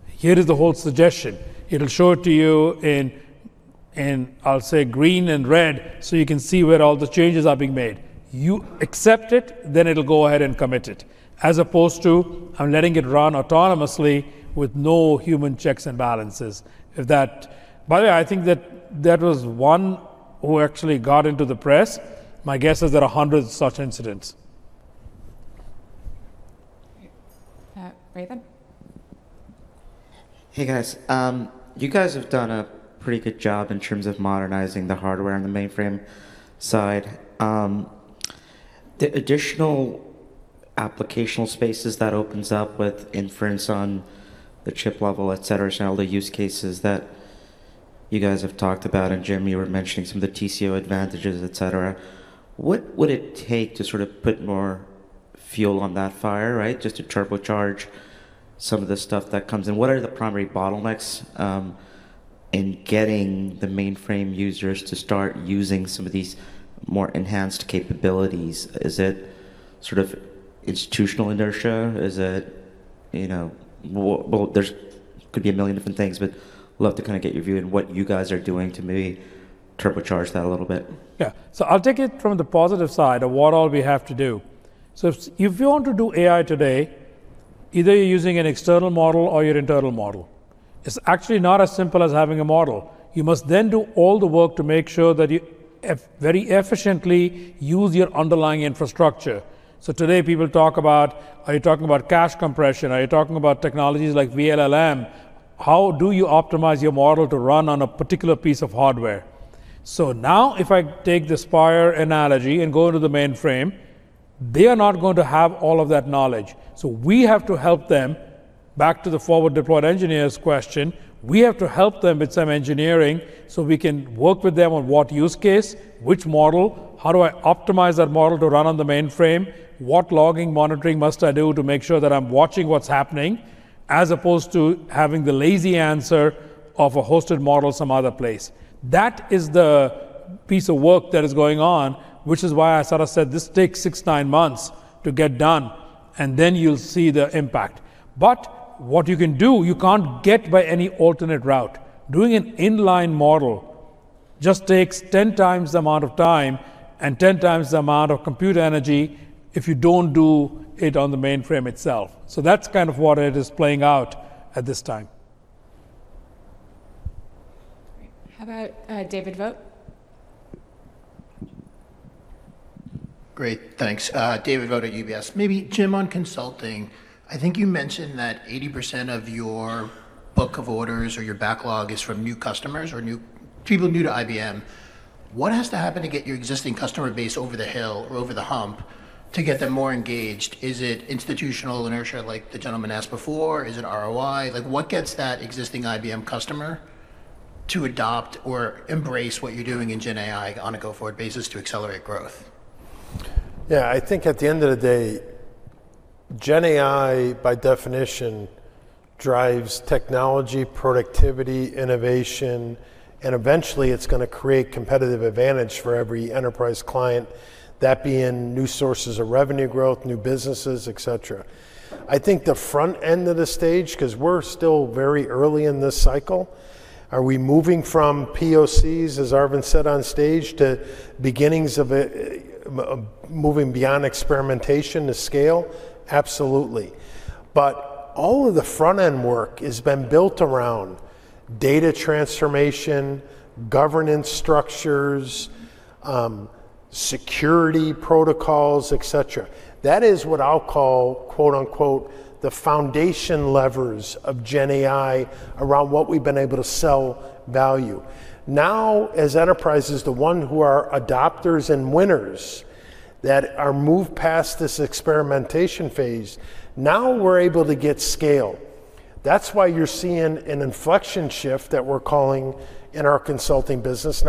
Here is the whole suggestion. It'll show it to you in, I'll say green and red, so you can see where all the changes are being made. You accept it, then it'll go ahead and commit it, as opposed to I'm letting it run autonomously with no human checks and balances. By the way, I think that that was one who actually got into the press. My guess is there are hundreds of such incidents. Raimo. Hey, guys. You guys have done a pretty good job in terms of modernizing the hardware on the mainframe side. The additional applicational spaces that opens up with inference on the chip level, et cetera, all the use cases that you guys have talked about, and Jim Kavanaugh, you were mentioning some of the TCO advantages, et cetera. What would it take to sort of put more fuel on that fire, right, just to turbocharge some of the stuff that comes in? What are the primary bottlenecks in getting the mainframe users to start using some of these more enhanced capabilities? Is it sort of institutional inertia? Is it, you know Well, there could be a million different things, but love to kind of get your view in what you guys are doing to maybe turbocharge that a little bit. I'll take it from the positive side of what all we have to do. If you want to do AI today, either you're using an external model or your internal model. It's actually not as simple as having a model. You must then do all the work to make sure that you very efficiently use your underlying infrastructure. Today people talk about, are you talking about cache compression? Are you talking about technologies like vLLM? How do you optimize your model to run on a particular piece of hardware? If I take the Spyre analogy and go to the mainframe, they are not going to have all of that knowledge. We have to help them, back to the forward deployed engineers question, we have to help them with some engineering so we can work with them on what use case, which model, how do I optimize that model to run on the mainframe? What logging monitoring must I do to make sure that I'm watching what's happening, as opposed to having the lazy answer of a hosted model some other place. That is the piece of work that is going on, which is why I sort of said, this takes six, nine months to get done, and then you'll see the impact. What you can do, you can't get by any alternate route. Doing an inline model just takes 10 times the amount of time and 10 times the amount of compute energy if you don't do it on the mainframe itself. That's kind of what it is playing out at this time. Great. How about David Vogt? Great, thanks. David Vogt at UBS. Maybe Jim, on consulting, I think you mentioned that 80% of your book of orders or your backlog is from new customers or people new to IBM. What has to happen to get your existing customer base over the hill or over the hump to get them more engaged? Is it institutional inertia like the gentleman asked before? Is it ROI? What gets that existing IBM customer to adopt or embrace what you're doing in GenAI on a go-forward basis to accelerate growth? I think at the end of the day, GenAI, by definition, drives technology, productivity, innovation, and eventually, it's going to create competitive advantage for every enterprise client, that being new sources of revenue growth, new businesses, et cetera. I think the front end of the stage, because we're still very early in this cycle, are we moving from POCs, as Arvind said on stage, to beginnings of moving beyond experimentation to scale? Absolutely. All of the front-end work has been built around data transformation, governance structures, security protocols, et cetera. That is what I'll call, quote unquote, The foundation levers of GenAI around what we've been able to sell value. As enterprises, the one who are adopters and winners that are moved past this experimentation phase, now we're able to get scale. That's why you're seeing an inflection shift that we're calling in our consulting business.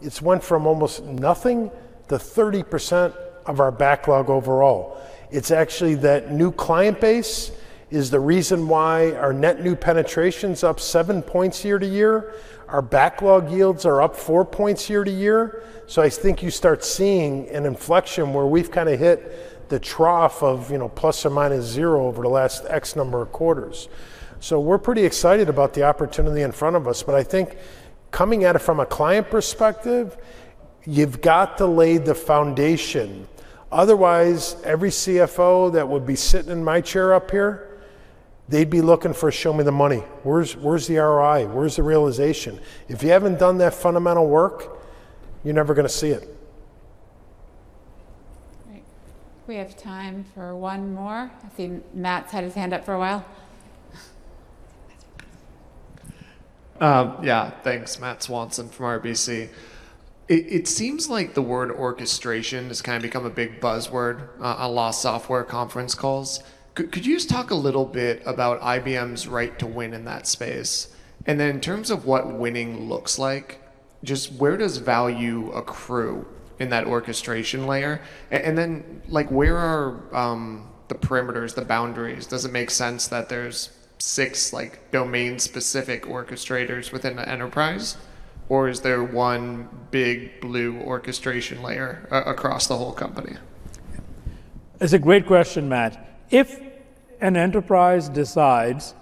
It's went from almost nothing to 30% of our backlog overall. It's actually that new client base is the reason why our net new penetration's up seven points year-to-year. Our backlog yields are up four points year-to-year. I think you start seeing an inflection where we've kind of hit the trough of ±0 over the last X number of quarters. We're pretty excited about the opportunity in front of us. I think coming at it from a client perspective, you've got to lay the foundation. Otherwise, every CFO that would be sitting in my chair up here, they'd be looking for show me the money. Where's the ROI? Where's the realization? If you haven't done that fundamental work, you're never going to see it. Great. We have time for one more. I see Matt's had his hand up for a while. Thanks, Matt Swanson from RBC. It seems like the word orchestration has kind of become a big buzzword a la software conference calls. Could you just talk a little bit about IBM's right to win in that space? In terms of what winning looks like, just where does value accrue in that orchestration layer? Where are the perimeters, the boundaries? Does it make sense that there's six domain-specific orchestrators within the enterprise or is there one big blue orchestration layer across the whole company? It's a great question, Matt. If an enterprise decides,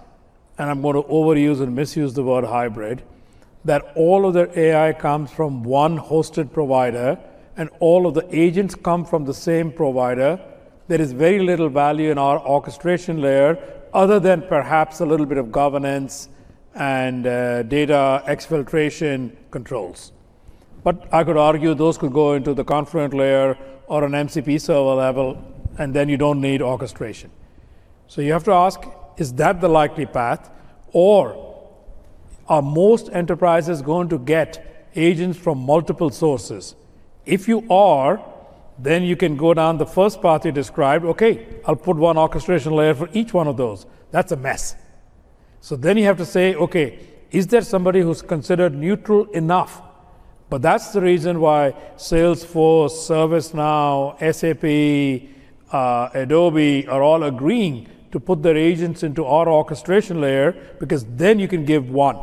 and I'm going to overuse and misuse the word hybrid, that all of their AI comes from one hosted provider and all of the agents come from the same provider, there is very little value in our orchestration layer other than perhaps a little bit of governance and data exfiltration controls. I could argue those could go into the Confluent layer or an MCP server level, and then you don't need orchestration. You have to ask, is that the likely path or are most enterprises going to get agents from multiple sources? If you are, then you can go down the first path you described, okay, I'll put 1 orchestration layer for each one of those. That's a mess. You have to say, okay, is there somebody who's considered neutral enough? That's the reason why Salesforce, ServiceNow, SAP, Adobe are all agreeing to put their agents into our orchestration layer because then you can give one.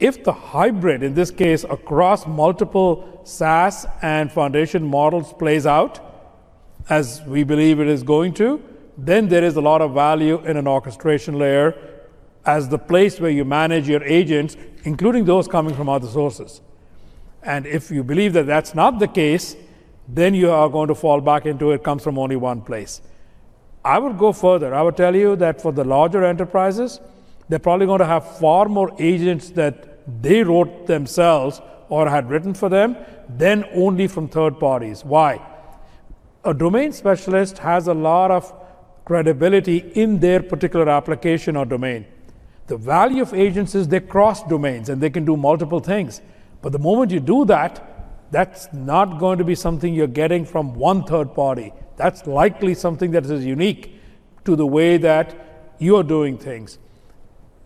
If the hybrid, in this case across multiple SaaS and foundation models plays out, as we believe it is going to, then there is a lot of value in an orchestration layer as the place where you manage your agents, including those coming from other sources. If you believe that that's not the case, then you are going to fall back into it comes from only one place. I would go further. I would tell you that for the larger enterprises, they're probably going to have far more agents that they wrote themselves or had written for them than only from third parties. Why? A domain specialist has a lot of credibility in their particular application or domain. The value of agents is they cross domains, and they can do multiple things. The moment you do that's not going to be something you're getting from one third party. That's likely something that is unique to the way that you're doing things.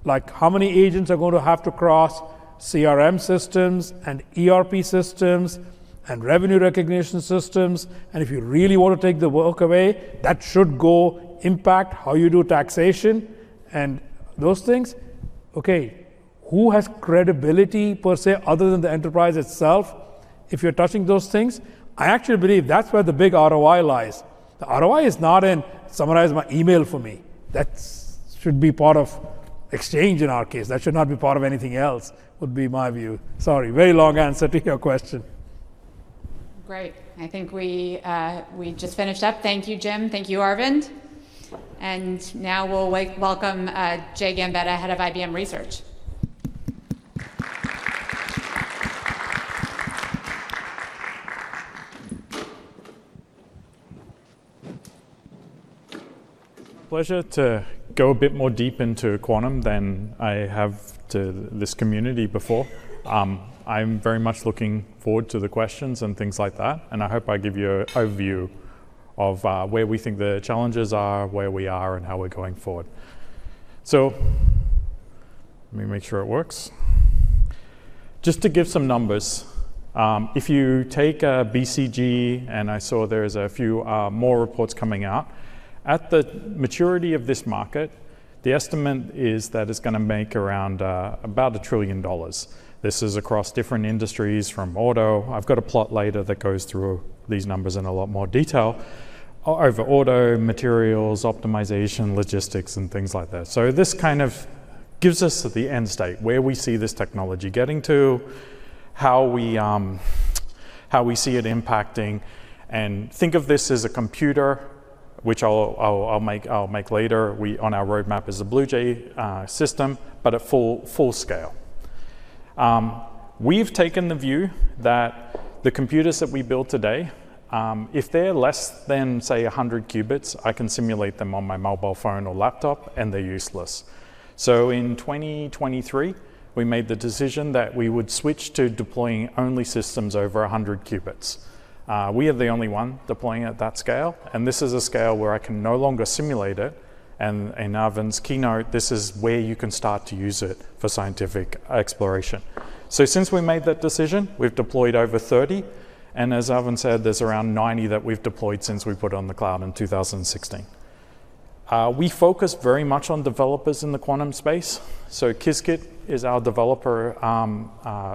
Like how many agents are going to have to cross CRM systems and ERP systems and revenue recognition systems, and if you really want to take the work away, that should go impact how you do taxation and those things. Okay, who has credibility per se other than the enterprise itself if you're touching those things? I actually believe that's where the big ROI lies. The ROI is not in, Summarize my email for me. That should be part of Exchange, in our case. That should not be part of anything else, would be my view. Sorry, very long answer to your question. Great. I think we just finished up. Thank you, Jim. Thank you, Arvind. Now we'll welcome Jay Gambetta, Head of IBM Research. Pleasure to go a bit more deep into quantum than I have to this community before. I'm very much looking forward to the questions and things like that, and I hope I give you an overview of where we think the challenges are, where we are, and how we're going forward. Let me make sure it works. Just to give some numbers, if you take a BCG, and I saw there's a few more reports coming out, at the maturity of this market, the estimate is that it's going to make around about $1 trillion. This is across different industries from auto I've got a plot later that goes through these numbers in a lot more detail, over auto, materials, optimization, logistics, and things like that. This kind of gives us the end state, where we see this technology getting to, how we see it impacting. Think of this as a computer, which I'll make later on our roadmap as a Blue Jay system but at full scale. We've taken the view that the computers that we build today, if they're less than, say, 100 qubits, I can simulate them on my mobile phone or laptop, and they're useless. In 2023, we made the decision that we would switch to deploying only systems over 100 qubits. We are the only one deploying at that scale, and this is a scale where I can no longer simulate it, and in Arvind's keynote, this is where you can start to use it for scientific exploration. Since we made that decision, we've deployed over 30, and as Arvind said, there's around 90 that we've deployed since we put it on the cloud in 2016. We focus very much on developers in the quantum space, so Qiskit is our developer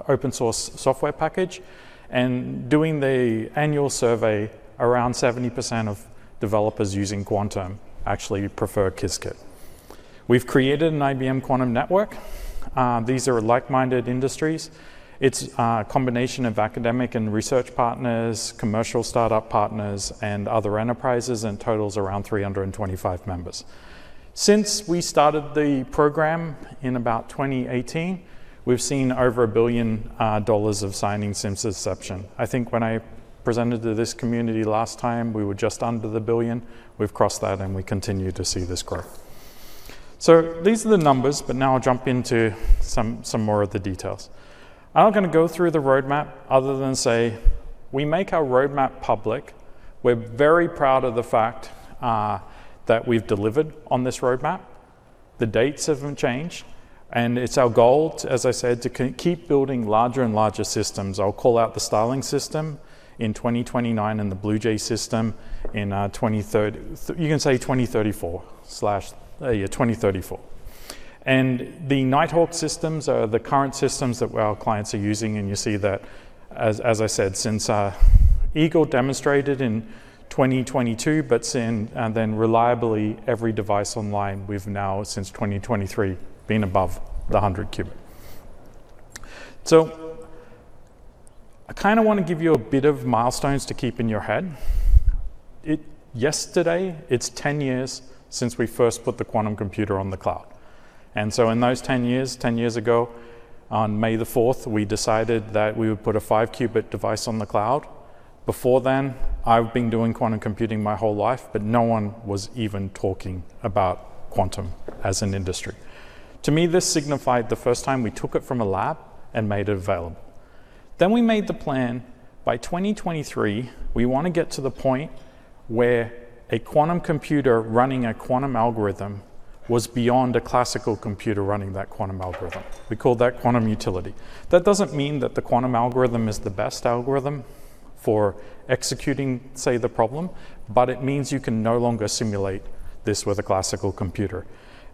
open source software package. In doing the annual survey, around 70% of developers using quantum actually prefer Qiskit. We've created an IBM Quantum Network. These are like-minded industries. It's a combination of academic and research partners, commercial startup partners, and other enterprises, and totals around 325 members. Since we started the program in about 2018, we've seen over $1 billion of signing since inception. I think when I presented to this community last time, we were just under $1 billion. We've crossed that, and we continue to see this growth. These are the numbers, but now I'll jump into some more of the details. I'm not going to go through the roadmap other than say we make our roadmap public. We're very proud of the fact that we've delivered on this roadmap. The dates haven't changed, it's our goal, as I said, to keep building larger and larger systems. I'll call out the Starling system in 2029 and the Blue Jay system in 2030. You can say 2034, slash, yeah, 2034. The Nighthawk systems are the current systems that our clients are using, and you see that, as I said, since Eagle demonstrated in 2022, but since then, reliably every device online, we've now, since 2023, been above the 100 qubit. I kind of want to give you a bit of milestones to keep in your head. Yesterday, it's 10 years since we first put the quantum computer on the cloud, in those 10 years, 10 years ago, on May the 4th, we decided that we would put a five qubit device on the cloud. Before then, I'd been doing quantum computing my whole life, but no one was even talking about quantum as an industry. To me, this signified the first time we took it from a lab and made it available. We made the plan, by 2023, we want to get to the point where a quantum computer running a quantum algorithm was beyond a classical computer running that quantum algorithm. We call that quantum utility. That doesn't mean that the quantum algorithm is the best algorithm for executing, say, the problem, but it means you can no longer simulate this with a classical computer,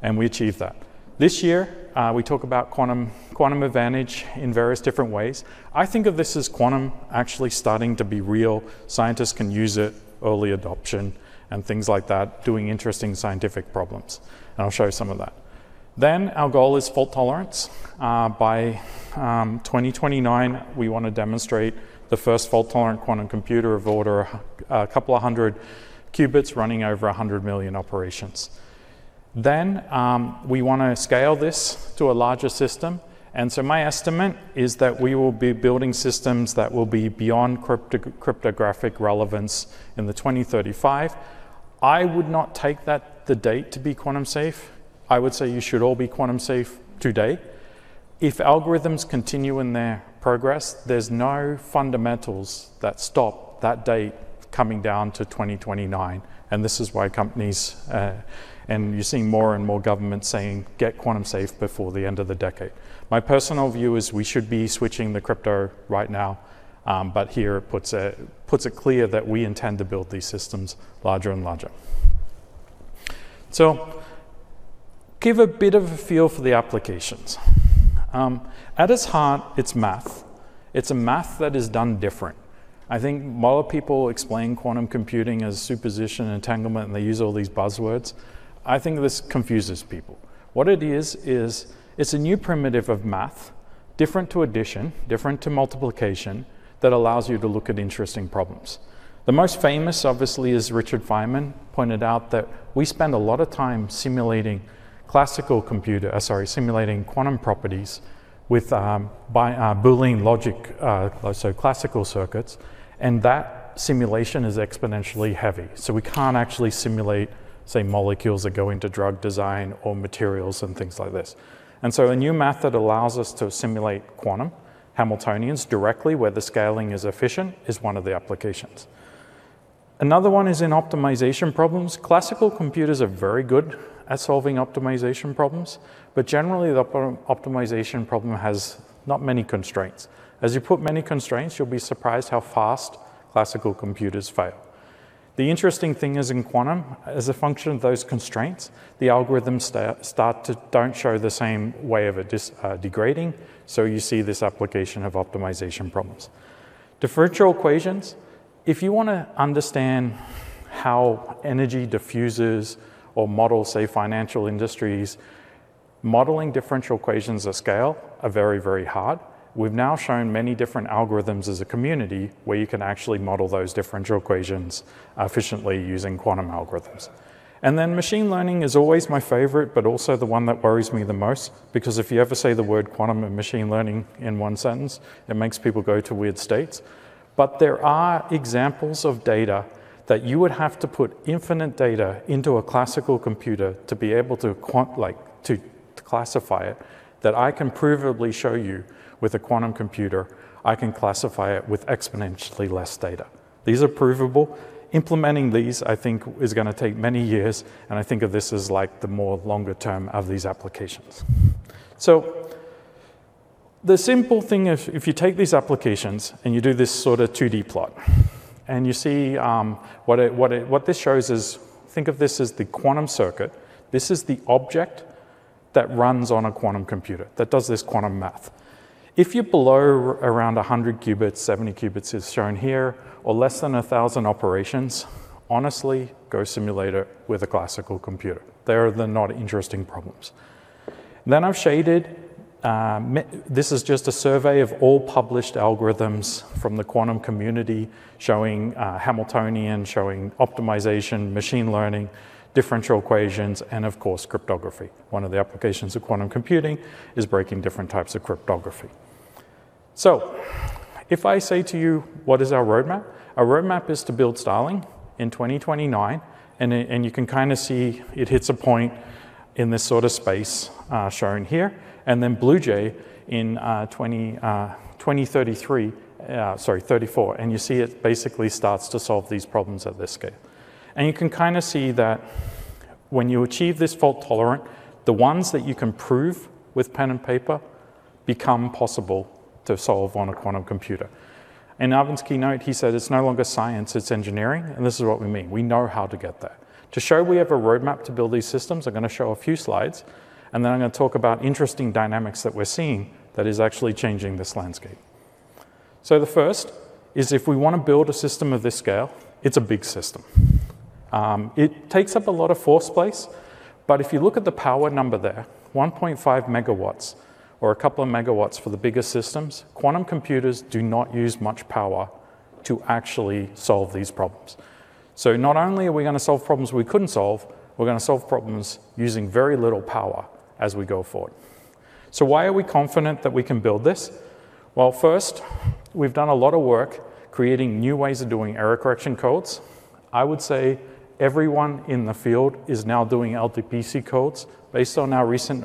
and we achieved that. This year, we talk about quantum advantage in various different ways. I think of this as quantum actually starting to be real. Scientists can use it, early adoption, and things like that, doing interesting scientific problems, and I'll show you some of that. Our goal is fault tolerance. By 2029, we want to demonstrate the first fault-tolerant quantum computer of order 200 qubits running over 100 million operations. We want to scale this to a larger system. My estimate is that we will be building systems that will be beyond cryptographic relevance in 2035. I would not take that the date to be quantum safe. I would say you should all be quantum safe today. If algorithms continue in their progress, there's no fundamentals that stop that date coming down to 2029. This is why companies, and you're seeing more and more governments saying, Get quantum safe before the end of the decade. My personal view is we should be switching the crypto right now. Here it puts it clear that we intend to build these systems larger and larger. Give a bit of a feel for the applications. At its heart, it's math. It's a math that is done different. I think a lot of people explain quantum computing as superposition, entanglement, and they use all these buzzwords. I think this confuses people. What it is it's a new primitive of math, different to addition, different to multiplication, that allows you to look at interesting problems. The most famous, obviously, as Richard Feynman pointed out, that we spend a lot of time simulating quantum properties with Boolean logic, so classical circuits, that simulation is exponentially heavy. We can't actually simulate, say, molecules that go into drug design or materials and things like this. A new method allows us to simulate quantum Hamiltonians directly, where the scaling is efficient, is one of the applications. Another one is in optimization problems. Classical computers are very good at solving optimization problems, generally, the optimization problem has not many constraints. As you put many constraints, you'll be surprised how fast classical computers fail. The interesting thing is, in quantum, as a function of those constraints, the algorithms don't show the same way of it degrading, you see this application of optimization problems. Differential equations, if you want to understand how energy diffuses or model, say, financial industries, modeling differential equations of scale are very, very hard. We've now shown many different algorithms as a community where you can actually model those differential equations efficiently using quantum algorithms. Machine learning is always my favorite, but also the one that worries me the most because if you ever say the word quantum and machine learning in one sentence, it makes people go to weird states. There are examples of data that you would have to put infinite data into a classical computer to be able to classify it, that I can provably show you with a quantum computer, I can classify it with exponentially less data. These are provable. Implementing these, I think, is going to take many years, and I think of this as the more longer term of these applications. The simple thing, if you take these applications and you do this sort of 2D plot and you see what this shows is, think of this as the quantum circuit. This is the object that runs on a quantum computer, that does this quantum math. If you're below around 100 qubits, 70 qubits is shown here, or less than 1,000 operations, honestly, go simulate it with a classical computer. They're the not interesting problems. I've shaded This is just a survey of all published algorithms from the quantum community showing Hamiltonian, showing optimization, machine learning, differential equations, and of course, cryptography. One of the applications of quantum computing is breaking different types of cryptography. If I say to you, What is our roadmap? Our roadmap is to build Starling in 2029, and you can kind of see it hits a point in this sort of space shown here, and then Blue Jay in 2033, sorry, 2034. You see it basically starts to solve these problems at this scale. You can kind of see that when you achieve this fault tolerant, the ones that you can prove with pen and paper become possible to solve on a quantum computer. In Arvind Krishna's keynote, he said, It's no longer science, it's engineering, and this is what we mean. We know how to get there. To show we have a roadmap to build these systems, I'm going to show a few slides and then I'm going to talk about interesting dynamics that we're seeing that is actually changing this landscape. The first is, if we want to build a system of this scale, it's a big system. It takes up a lot of floor space, but if you look at the power number there, 1.5 MW or 2 MW for the bigger systems, quantum computers do not use much power to actually solve these problems. Not only are we going to solve problems we couldn't solve, we're going to solve problems using very little power as we go forward. Why are we confident that we can build this? Well, first, we've done a lot of work creating new ways of doing error correction codes. I would say everyone in the field is now doing LDPC codes based on our recent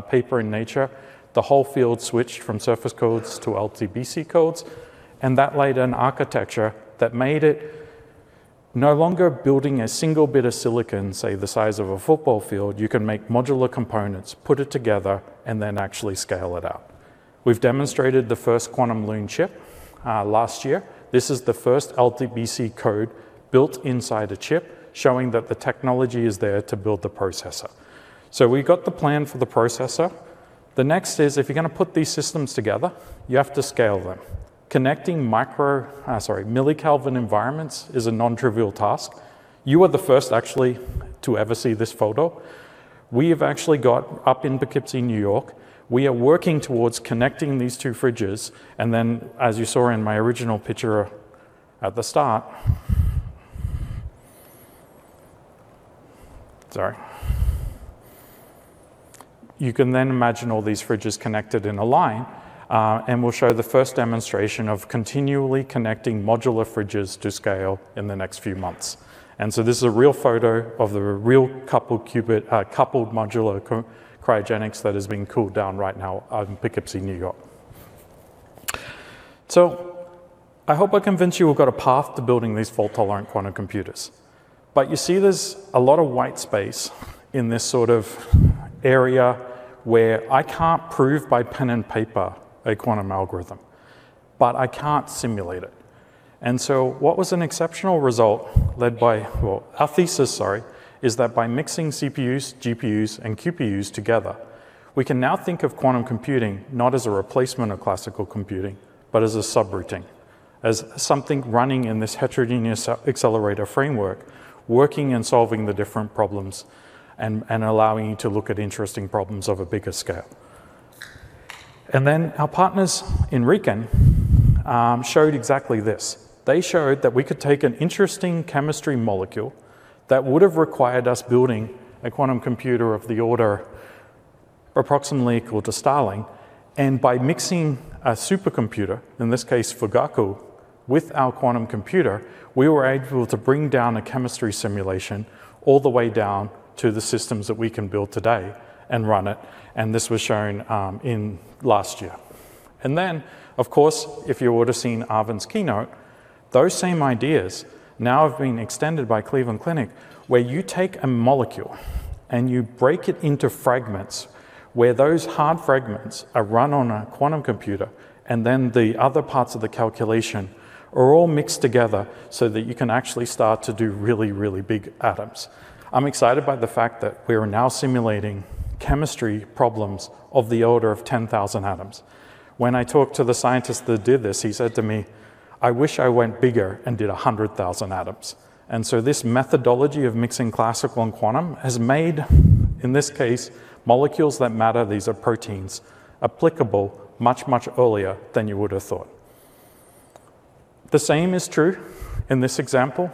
paper in Nature. The whole field switched from surface codes to LDPC codes, that laid an architecture that made it no longer building a single bit of silicon, say, the size of a football field. You can make modular components, put it together, and then actually scale it up. We've demonstrated the first quantum Loon chip last year. This is the first LDPC code built inside a chip, showing that the technology is there to build the processor. We've got the plan for the processor. The next is, if you're going to put these systems together, you have to scale them. Connecting millikelvin environments is a non-trivial task. You are the first, actually, to ever see this photo. We have actually got up in Poughkeepsie, N.Y., we are working towards connecting these two fridges. As you saw in my original picture at the start, sorry. You can then imagine all these fridges connected in a line, we'll show the first demonstration of continually connecting modular fridges to scale in the next few months. This is a real photo of the real coupled modular cryogenics that is being cooled down right now in Poughkeepsie, N.Y. I hope I convinced you we've got a path to building these fault-tolerant quantum computers. You see there's a lot of white space in this sort of area where I can't prove by pen and paper a quantum algorithm, but I can't simulate it. What was an exceptional result led by, well, our thesis, sorry, is that by mixing CPUs, GPUs, and QPUs together, we can now think of quantum computing not as a replacement of classical computing, but as a subroutine, as something running in this heterogeneous accelerator framework, working and solving the different problems and allowing you to look at interesting problems of a bigger scale. Our partners in RIKEN showed exactly this. They showed that we could take an interesting chemistry molecule that would have required us building a quantum computer of the order approximately equal to Starling. By mixing a supercomputer, in this case, Fugaku, with our quantum computer, we were able to bring down a chemistry simulation all the way down to the systems that we can build today and run it, and this was shown last year. Of course, if you would've seen Arvind's keynote, those same ideas now have been extended by Cleveland Clinic, where you take a molecule and you break it into fragments, where those hard fragments are run on a quantum computer, then the other parts of the calculation are all mixed together so that you can actually start to do really, really big atoms. I'm excited by the fact that we are now simulating chemistry problems of the order of 10,000 atoms. When I talked to the scientist that did this, he said to me, I wish I went bigger and did 100,000 atoms. This methodology of mixing classical and quantum has made, in this case, molecules that matter, these are proteins, applicable much, much earlier than you would've thought. The same is true in this example.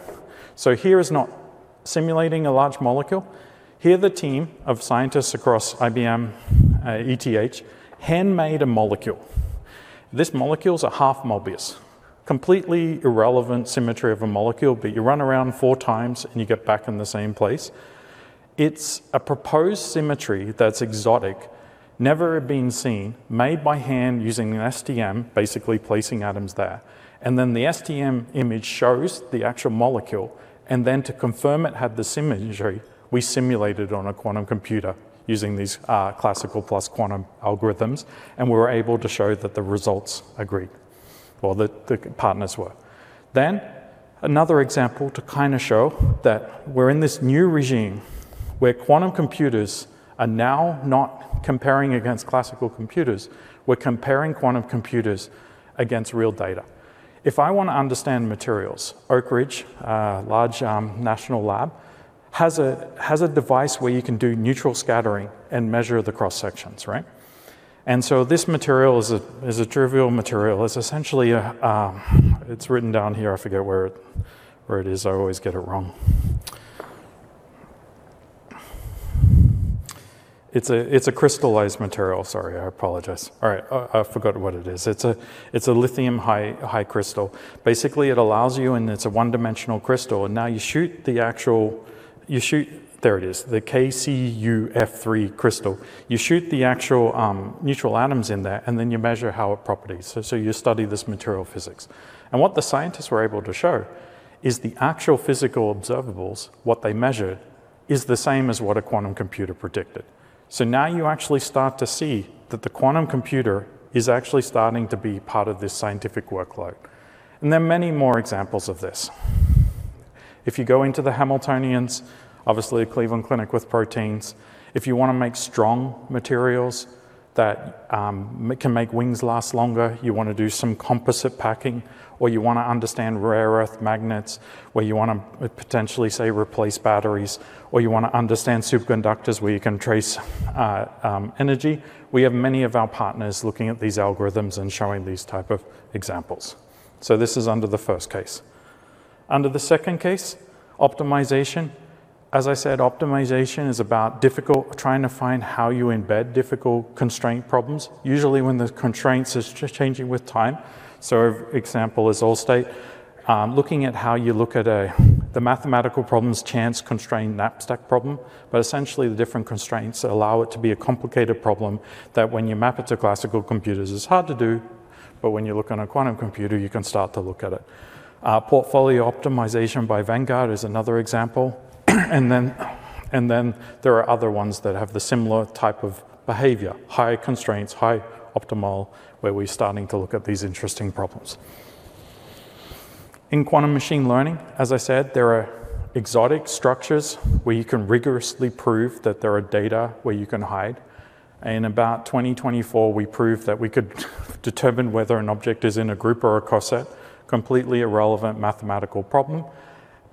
Here, the team of scientists across IBM, ETH, handmade a molecule. This molecule's a half Möbius. Completely irrelevant symmetry of a molecule, but you run around four times and you get back in the same place. It's a proposed symmetry that's exotic, never been seen, made by hand using an STM, basically placing atoms there. The STM image shows the actual molecule, to confirm it had the symmetry, we simulate it on a quantum computer using these classical plus quantum algorithms, and we were able to show that the results agreed. Another example to show that we're in this new regime where quantum computers are now not comparing against classical computers, we're comparing quantum computers against real data. If I want to understand materials, Oak Ridge, a large national lab, has a device where you can do neutral scattering and measure the cross-sections, right? This material is a trivial material, it's written down here. I forget where it is. I always get it wrong. It's a crystallized material. Sorry, I apologize. All right, I forgot what it is. It's a lithium high crystal. Basically, it allows you, and it's a one-dimensional crystal. You shoot the actual There it is, the KCuF3 crystal. You shoot the actual neutral atoms in there, and then you measure how it properties. You study this material physics. What the scientists were able to show is the actual physical observables, what they measured, is the same as what a quantum computer predicted. Now you actually start to see that the quantum computer is actually starting to be part of this scientific workload. There are many more examples of this. If you go into the Hamiltonians, obviously Cleveland Clinic with proteins. If you want to make strong materials that can make wings last longer, you want to do some composite packing, or you want to understand rare earth magnets, where you want to potentially, say, replace batteries, or you want to understand superconductors where you can trace energy, we have many of our partners looking at these algorithms and showing these type of examples. This is under the first case. Under the second case, optimization. As I said, optimization is about trying to find how you embed difficult constraint problems, usually when the constraints are changing with time. Example is Allstate. Looking at how you look at the mathematical problems, chance-constrained knapsack problem, but essentially the different constraints allow it to be a complicated problem that when you map it to classical computers, it's hard to do, but when you look on a quantum computer, you can start to look at it. Portfolio optimization by Vanguard is another example. There are other ones that have the similar type of behavior, high constraints, high optimal, where we're starting to look at these interesting problems. In quantum machine learning, as I said, there are exotic structures where you can rigorously prove that there are data where you can hide. In about 2024, we proved that we could determine whether an object is in a group or a coset, completely irrelevant mathematical problem.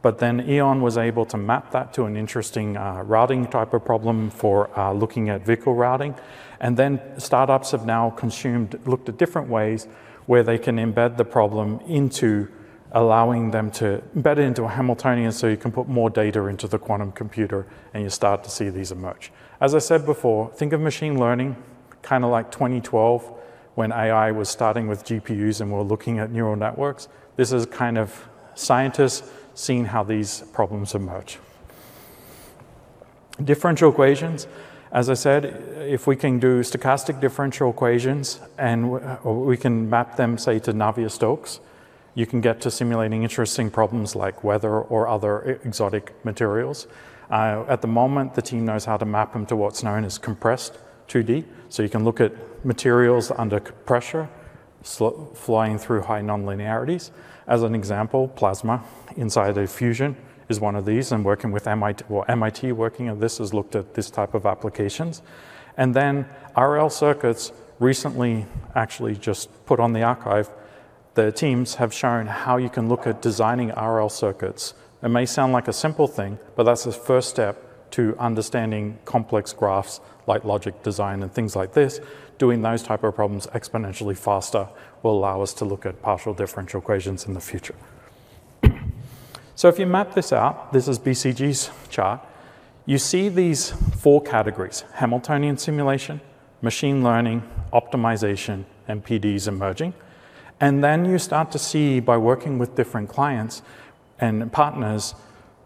IonQ was able to map that to an interesting routing type of problem for looking at vehicle routing. Startups have now looked at different ways where they can embed the problem into allowing them to embed it into a Hamiltonian so you can put more data into the quantum computer, and you start to see these emerge. As I said before, think of machine learning kind of like 2012 when AI was starting with GPUs and we're looking at neural networks. This is kind of scientists seeing how these problems emerge. Differential equations, as I said, if we can do stochastic differential equations and we can map them, say, to Navier-Stokes, you can get to simulating interesting problems like weather or other exotic materials. At the moment, the team knows how to map them to what's known as compressed 2D. You can look at materials under pressure, flying through high nonlinearities. As an example, plasma inside a fusion is one of these, MIT working on this has looked at this type of applications. RL circuits recently actually just put on the archive. The teams have shown how you can look at designing RL circuits. It may sound like a simple thing, that's the first step to understanding complex graphs like logic design and things like this. Doing those type of problems exponentially faster will allow us to look at partial differential equations in the future. If you map this out, this is BCG's chart. You see these four categories, Hamiltonian simulation, machine learning, optimization, and PDs emerging. You start to see by working with different clients and partners,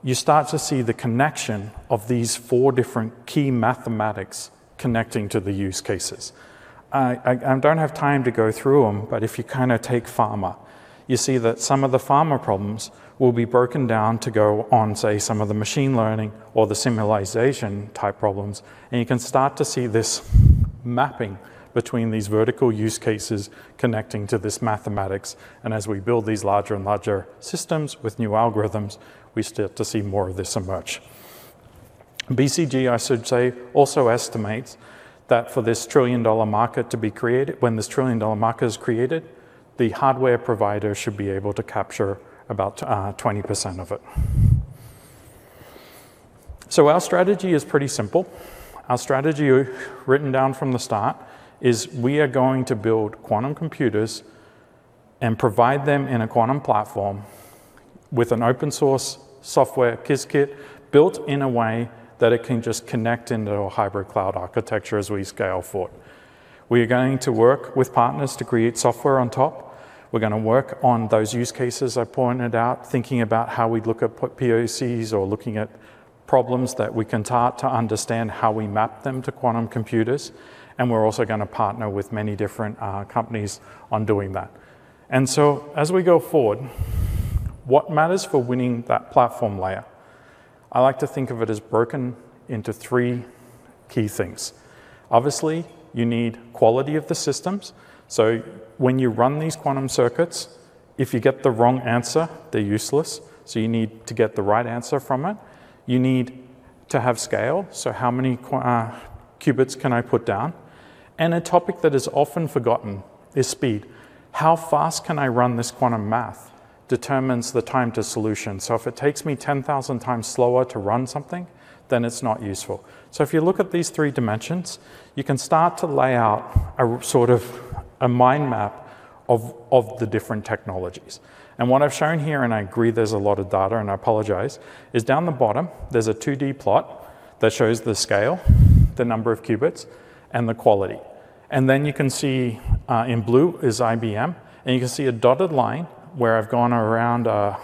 you start to see the connection of these four different key mathematics connecting to the use cases. I don't have time to go through them, but if you take pharma, you see that some of the pharma problems will be broken down to go on, say, some of the machine learning or the simulation type problems. You can start to see this mapping between these vertical use cases connecting to this mathematics. As we build these larger and larger systems with new algorithms, we start to see more of this emerge. BCG, I should say, also estimates that when this $1 trillion market is created, the hardware provider should be able to capture about 20% of it. Our strategy is pretty simple. Our strategy, written down from the start, is we are going to build quantum computers and provide them in a quantum platform with an open source software, Qiskit, built in a way that it can just connect into a hybrid cloud architecture as we scale forward. We are going to work with partners to create software on top. We're going to work on those use cases I pointed out, thinking about how we'd look at POCs or looking at problems that we can start to understand how we map them to quantum computers. We're also going to partner with many different companies on doing that. As we go forward, what matters for winning that platform layer? I like to think of it as broken into three key things. Obviously, you need quality of the systems. When you run these quantum circuits, if you get the wrong answer, they're useless. You need to get the right answer from it. You need to have scale. How many qubits can I put down? A topic that is often forgotten is speed. How fast can I run this quantum math determines the time to solution. If it takes me 10,000 times slower to run something, then it's not useful. If you look at these three dimensions, you can start to lay out a sort of a mind map of the different technologies. What I've shown here, and I agree there's a lot of data, and I apologize, is down the bottom, there's a 2D plot that shows the scale, the number of qubits, and the quality. You can see in blue is IBM. You can see a dotted line where I've gone around a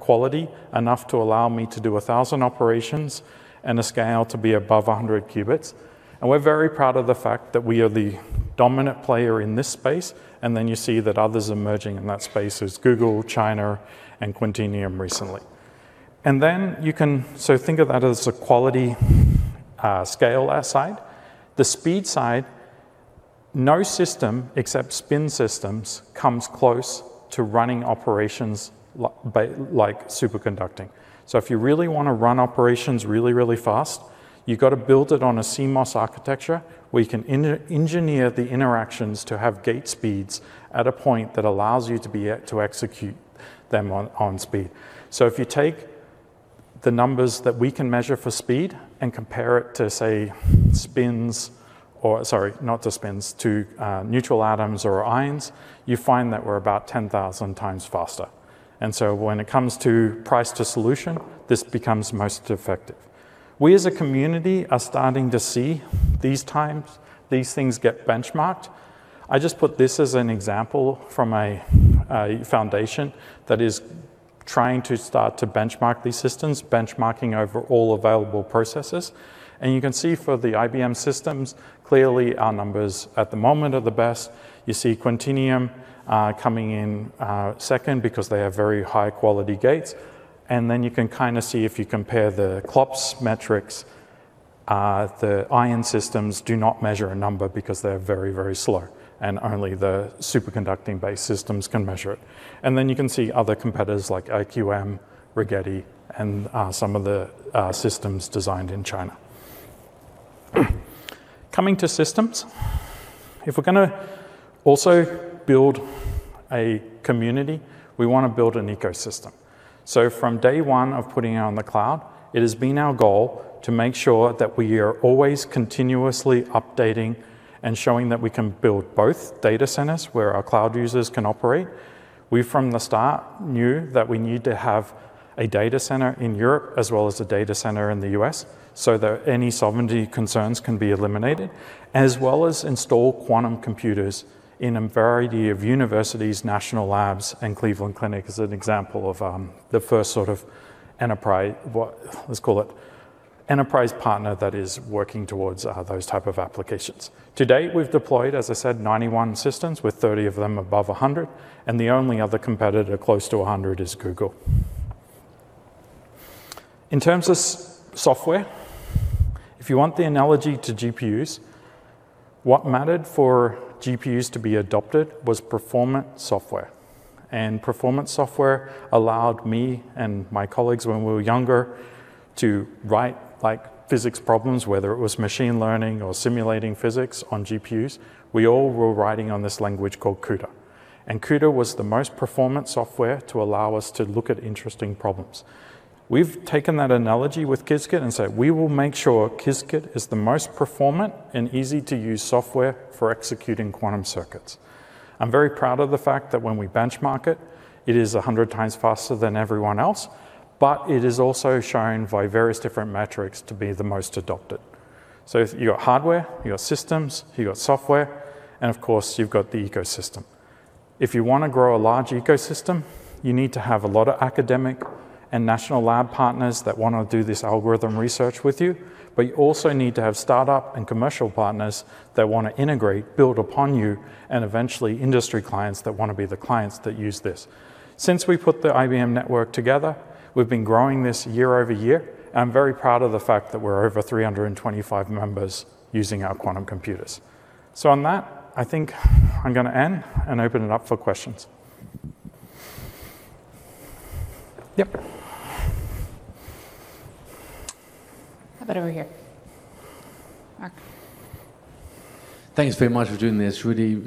quality enough to allow me to do 1,000 operations and a scale to be above 100 qubits. We're very proud of the fact that we are the dominant player in this space. You see that others emerging in that space is Google, China, and Quantinuum recently. You can think of that as a quality scale side. The speed side, no system except spin systems comes close to running operations like superconducting. If you really want to run operations really, really fast, you've got to build it on a CMOS architecture where you can engineer the interactions to have gate speeds at a point that allows you to execute them on speed. If you take the numbers that we can measure for speed and compare it to, say, spins or sorry, not to spins, to neutral atoms or ions, you find that we're about 10,000 times faster. When it comes to price to solution, this becomes most effective. We as a community are starting to see these things get benchmarked. I just put this as an example from a foundation that is trying to start to benchmark these systems, benchmarking over all available processes. You can see for the IBM systems, clearly our numbers at the moment are the best. You see Quantinuum coming in second because they have very high-quality gates. You can kind of see if you compare the CLOPS metrics. The ion systems do not measure a number because they're very, very slow and only the superconducting based systems can measure it. You can see other competitors like IQM, Rigetti, and some of the systems designed in China. Coming to systems, if we're going to also build a community, we want to build an ecosystem. From day one of putting it on the cloud, it has been our goal to make sure that we are always continuously updating and showing that we can build both data centers where our cloud users can operate. We, from the start, knew that we need to have a data center in Europe as well as a data center in the U.S. so that any sovereignty concerns can be eliminated, as well as install quantum computers in a variety of universities, national labs, and Cleveland Clinic as an example of the first enterprise partner that is working towards those type of applications. To date, we've deployed, as I said, 91 systems, with 30 of them above 100, and the only other competitor close to 100 is Google. In terms of software, if you want the analogy to GPUs, what mattered for GPUs to be adopted was performance software. Performance software allowed me and my colleagues when we were younger to write physics problems, whether it was machine learning or simulating physics on GPUs, we all were writing on this language called CUDA. CUDA was the most performant software to allow us to look at interesting problems. We've taken that analogy with Qiskit and said, We will make sure Qiskit is the most performant and easy to use software for executing quantum circuits. I'm very proud of the fact that when we benchmark it is 100 times faster than everyone else, but it is also shown by various different metrics to be the most adopted. You've got hardware, you've got systems, you've got software, and of course, you've got the ecosystem. If you want to grow a large ecosystem, you need to have a lot of academic and national lab partners that want to do this algorithm research with you, but you also need to have startup and commercial partners that want to integrate, build upon you, and eventually industry clients that want to be the clients that use this. Since we put the IBM network together, we've been growing this year-over-year. I'm very proud of the fact that we're over 325 members using our quantum computers. On that, I think I'm going to end and open it up for questions. Yep. How about over here? Mark. Thanks very much for doing this. Really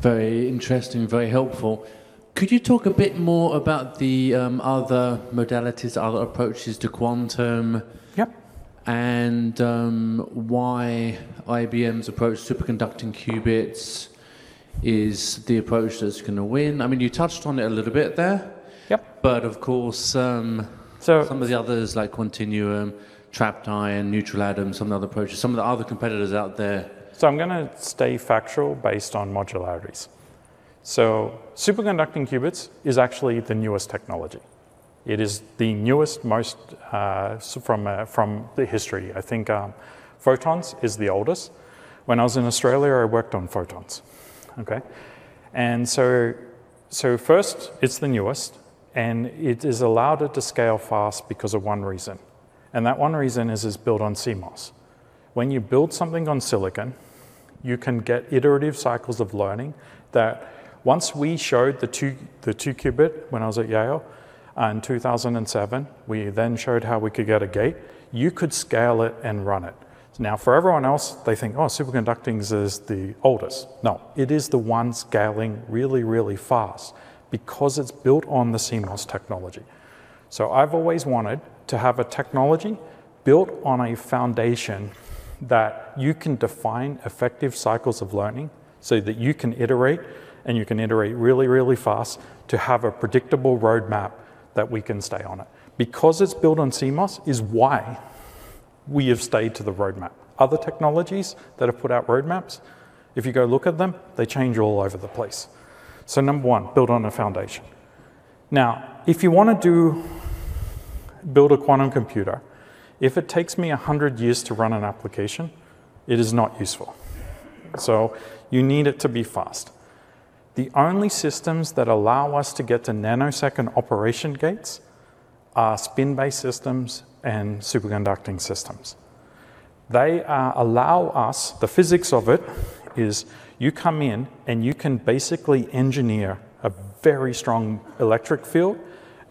very interesting, very helpful. Could you talk a bit more about the other modalities, other approaches to quantum? Yep. Why IBM's approach, superconducting qubits, is the approach that's going to win? You touched on it a little bit there. Yep. Of course, some of the others like Quantinuum, Trapped IonQ, Neutral Atom, some of the other approaches, some of the other competitors out there. I'm going to stay factual based on modularities. Superconducting qubits is actually the newest technology. It is the newest from the history. I think photons is the oldest. When I was in Australia, I worked on photons. Okay. First, it's the newest, and it has allowed it to scale fast because of one reason, and that one reason is it's built on CMOS. When you build something on silicon, you can get iterative cycles of learning that once we showed the two-qubit when I was at Yale in 2007, we then showed how we could get a gate. You could scale it and run it. For everyone else, they think, Oh, superconducting is the oldest. No. It is the one scaling really, really fast because it's built on the CMOS technology. I've always wanted to have a technology built on a foundation that you can define effective cycles of learning so that you can iterate and you can iterate really, really fast to have a predictable roadmap that we can stay on it. It's built on CMOS is why we have stayed to the roadmap. Other technologies that have put out roadmaps, if you go look at them, they change all over the place. Number one, build on a foundation. If you want to build a quantum computer, if it takes me 100 years to run an application, it is not useful. You need it to be fast. The only systems that allow us to get to nanosecond operation gates are spin-based systems and superconducting systems. The physics of it is you come in and you can basically engineer a very strong electric field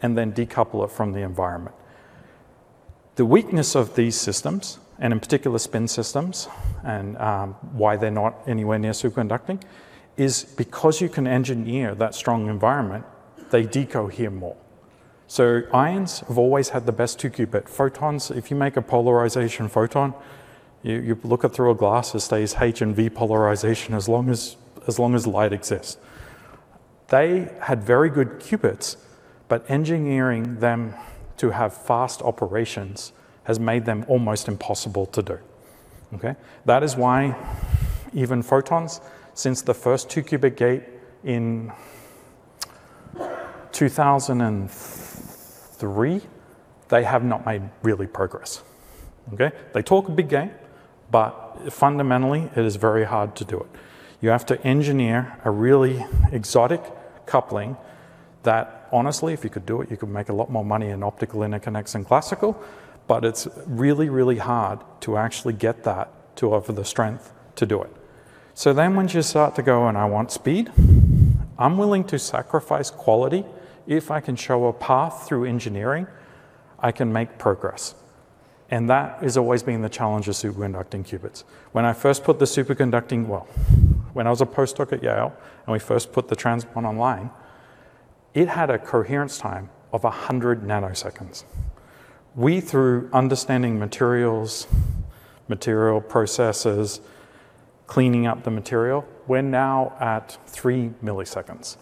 and then decouple it from the environment. The weakness of these systems, and in particular spin systems and why they're not anywhere near superconducting, is because you can engineer that strong environment, they decohere more. Ions have always had the best two qubit photons. If you make a polarization photon, you look it through a glass, it stays H and V polarization as long as light exists. They had very good qubits, engineering them to have fast operations has made them almost impossible to do. Okay? That is why even photons, since the first two qubit gate in 2003, they have not made really progress. Okay? They talk a big game. Fundamentally, it is very hard to do it. You have to engineer a really exotic coupling that honestly, if you could do it, you could make a lot more money in optical interconnects than classical, but it's really, really hard to actually get that to offer the strength to do it. Once you start to go, I want speed, I'm willing to sacrifice quality if I can show a path through engineering, I can make progress. That has always been the challenge of superconducting qubits. When I was a postdoc at Yale, and we first put the transmon online, it had a coherence time of 100 nanoseconds. We, through understanding materials, material processes, cleaning up the material, we're now at three milliseconds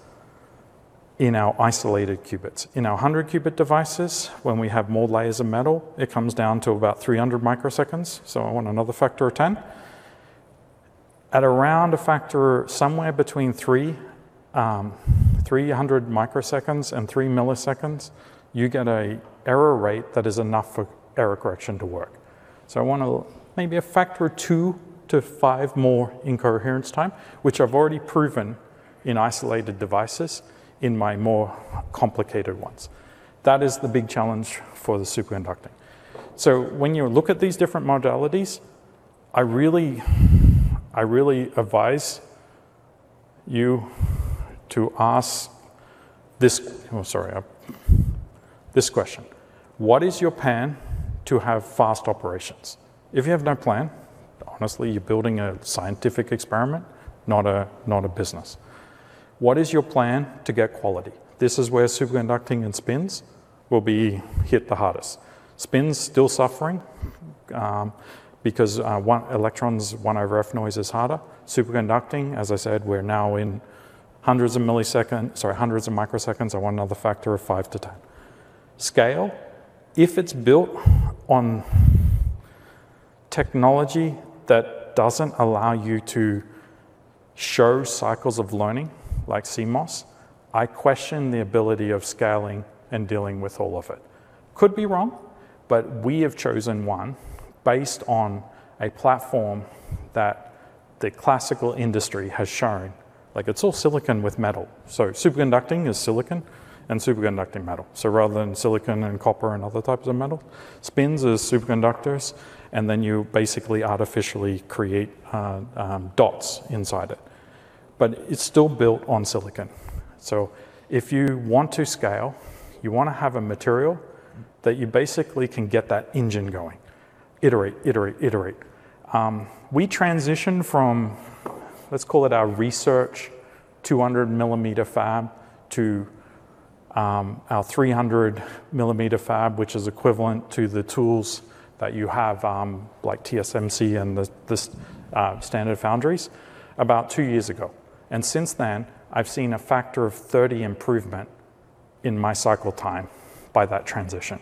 in our isolated qubits. In our 100 qubit devices, when we have more layers of metal, it comes down to about 300 microseconds. I want another factor of 10. At around a factor somewhere between 300 microseconds and 3 ms, you get a error rate that is enough for error correction to work. I want maybe a factor 2-5 more in coherence time, which I've already proven in isolated devices in my more complicated ones. That is the big challenge for the superconducting. When you look at these different modalities, I really advise you to ask this question: What is your plan to have fast operations? If you have no plan, honestly, you're building a scientific experiment, not a business. What is your plan to get quality? This is where superconducting and spins will be hit the hardest. Spins still suffering, because electrons 1/f noise is harder. Superconducting, as I said, we're now in hundreds of milliseconds, sorry, hundreds of microseconds. I want another factor of five to 10. Scale, if it's built on technology that doesn't allow you to show cycles of learning like CMOS, I question the ability of scaling and dealing with all of it. Could be wrong, we have chosen one based on a platform that the classical industry has shown, like it's all silicon with metal. Superconducting is silicon and superconducting metal. Rather than silicon and copper and other types of metal, spins are superconductors, you basically artificially create dots inside it. It's still built on silicon. If you want to scale, you want to have a material that you basically can get that engine going. Iterate. We transitioned from, let's call it our research, 200 millimeter fab to our 300 millimeter fab, which is equivalent to the tools that you have like TSMC and the standard foundries about two years ago. Since then, I've seen a factor of 30 improvement in my cycle time by that transition.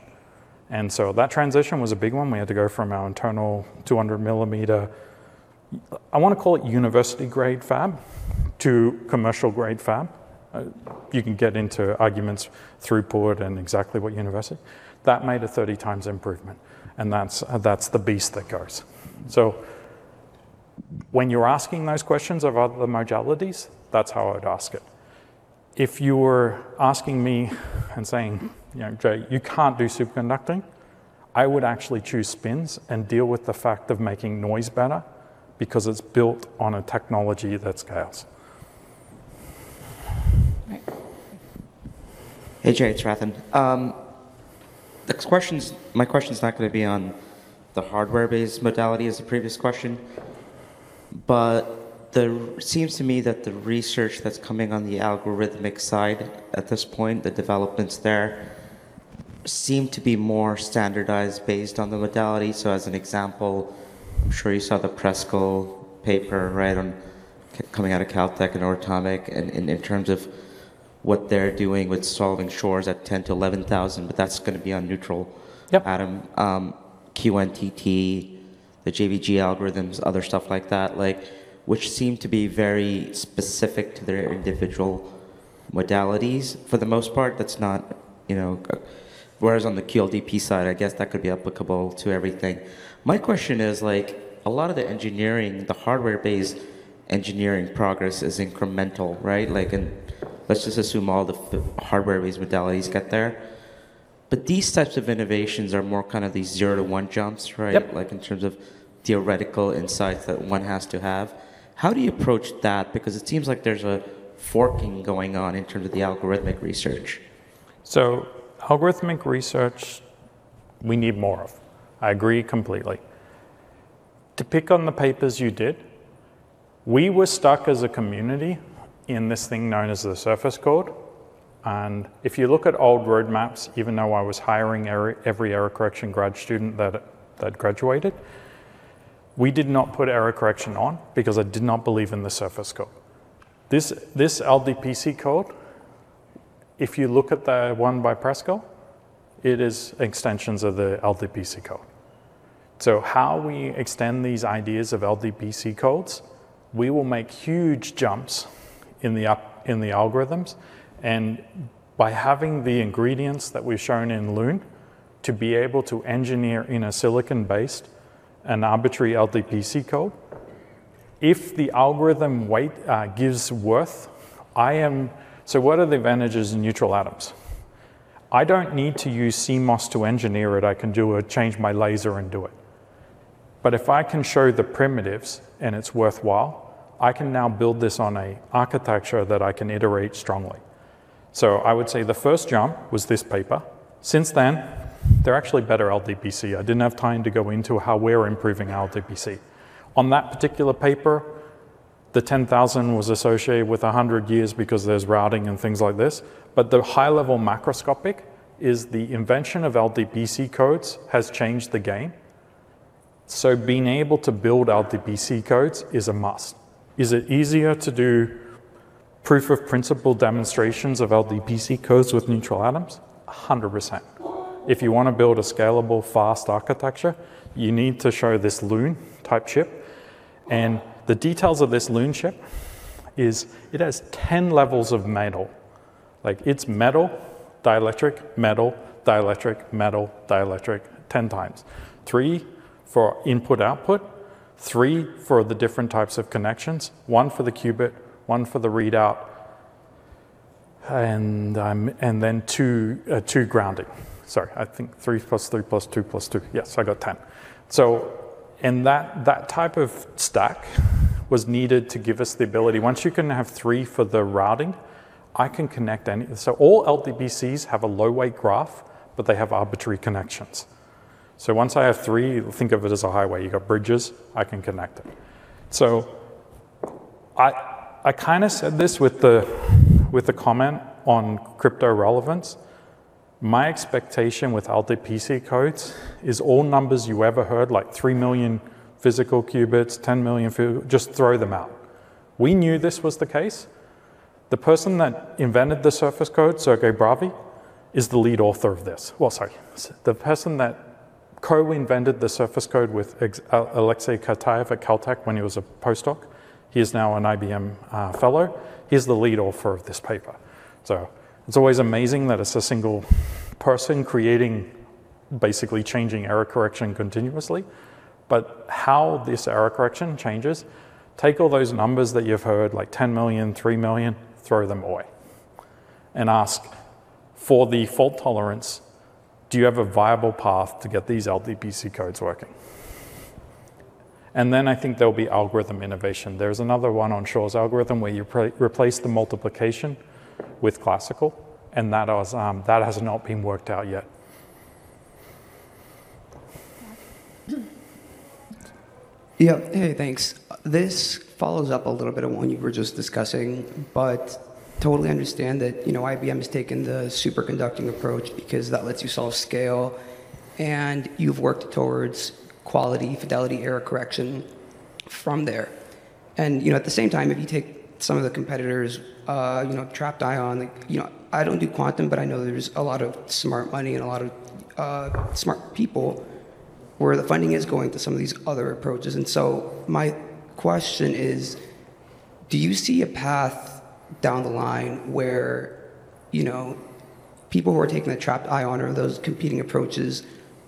That transition was a big one. We had to go from our internal 200 millimeter, I want to call it university-grade fab to commercial-grade fab. You can get into arguments, throughput, and exactly what university. That made a 30 times improvement, and that's the beast that goes. When you're asking those questions of other modalities, that's how I would ask it. If you were asking me and saying, Jay, you can't do superconducting, I would actually choose spins and deal with the fact of making noise better because it's built on a technology that scales. Right. Hey, Jay. It's Rathan. My question's not going to be on the hardware-based modality as the previous question, there seems to me that the research that's coming on the algorithmic side at this point, the developments there seem to be more standardized based on the modality. As an example, I'm sure you saw the Preskill paper right on coming out of Caltech and Oratomic and in terms of what they're doing with solving Shor's at 10,000-11,000, that's going to be on neutral- Yep atom, QNTT, the JVG algorithms, other stuff like that, which seem to be very specific to their individual modalities. For the most part, that's not whereas on the QLDPC side, I guess that could be applicable to everything. My question is, a lot of the engineering, the hardware-based engineering progress is incremental, right? Let's just assume all the hardware-based modalities get there. These types of innovations are more kind of these zero to one jumps, right? Yep. In terms of theoretical insights that one has to have. How do you approach that? It seems like there's a forking going on in terms of the algorithmic research. Algorithmic research we need more of. I agree completely. To pick on the papers you did, we were stuck as a community in this thing known as the surface code, and if you look at old roadmaps, even though I was hiring every error correction grad student that graduated, we did not put error correction on because I did not believe in the surface code. This LDPC code, if you look at the one by Preskill, it is extensions of the LDPC code. How we extend these ideas of LDPC codes, we will make huge jumps in the algorithms and by having the ingredients that we've shown in Loon to be able to engineer in a silicon-based and arbitrary LDPC code. What are the advantages of neutral atoms? I don't need to use CMOS to engineer it. I can do a change my laser and do it. I can show the primitives and it's worthwhile, I can now build this on an architecture that I can iterate strongly. I would say the first jump was this paper. Since then, they're actually better LDPC. I didn't have time to go into how we're improving LDPC. On that particular paper, the 10,000 was associated with 100 years because there's routing and things like this, but the high-level macroscopic is the invention of LDPC codes has changed the game. Being able to build LDPC codes is a must. Is it easier to do proof of principle demonstrations of LDPC codes with neutral atoms? 100%. If you want to build a scalable, fast architecture, you need to show this Loon type chip, and the details of this Loon chip is it has 10 levels of metal. It's metal, dielectric, metal, dielectric, metal, dielectric, 10 times. Three for input output, three for the different types of connections, one for the qubit, one for the readout, and then two grounding. Sorry, I think 3+3+2+2. Yes, I got 10. That type of stack was needed to give us the ability. Once you can have three for the routing, I can connect any. All LDPCs have a low weight graph, but they have arbitrary connections. Once I have three, think of it as a highway. You've got bridges, I can connect it. I kind of said this with the comment on crypto relevance. My expectation with LDPC codes is all numbers you ever heard, like three million physical qubits, 10 million just throw them out. We knew this was the case. The person that invented the surface code, Sergey Bravyi, is the lead author of this. Well, sorry, the person that co-invented the surface code with Alexei Kitaev at Caltech when he was a postdoc, he is now an IBM fellow. He's the lead author of this paper. It's always amazing that it's a single person creating, basically changing error correction continuously. How this error correction changes, take all those numbers that you've heard, like 10 million, three million, throw them away and ask for the fault tolerance, do you have a viable path to get these LDPC codes working? Then I think there'll be algorithm innovation. There's another one on Shor's algorithm where you replace the multiplication with classical, and that has not been worked out yet. Yeah. Hey, thanks. This follows up a little bit on one you were just discussing, but totally understand that IBM has taken the superconducting approach because that lets you solve scale, and you've worked towards quality, fidelity, error correction from there. At the same time, if you take some of the competitors, trapped ion, I don't do quantum, but I know there's a lot of smart money and a lot of smart people where the funding is going to some of these other approaches. My question is, do you see a path down the line where people who are taking the trapped ion or those competing approaches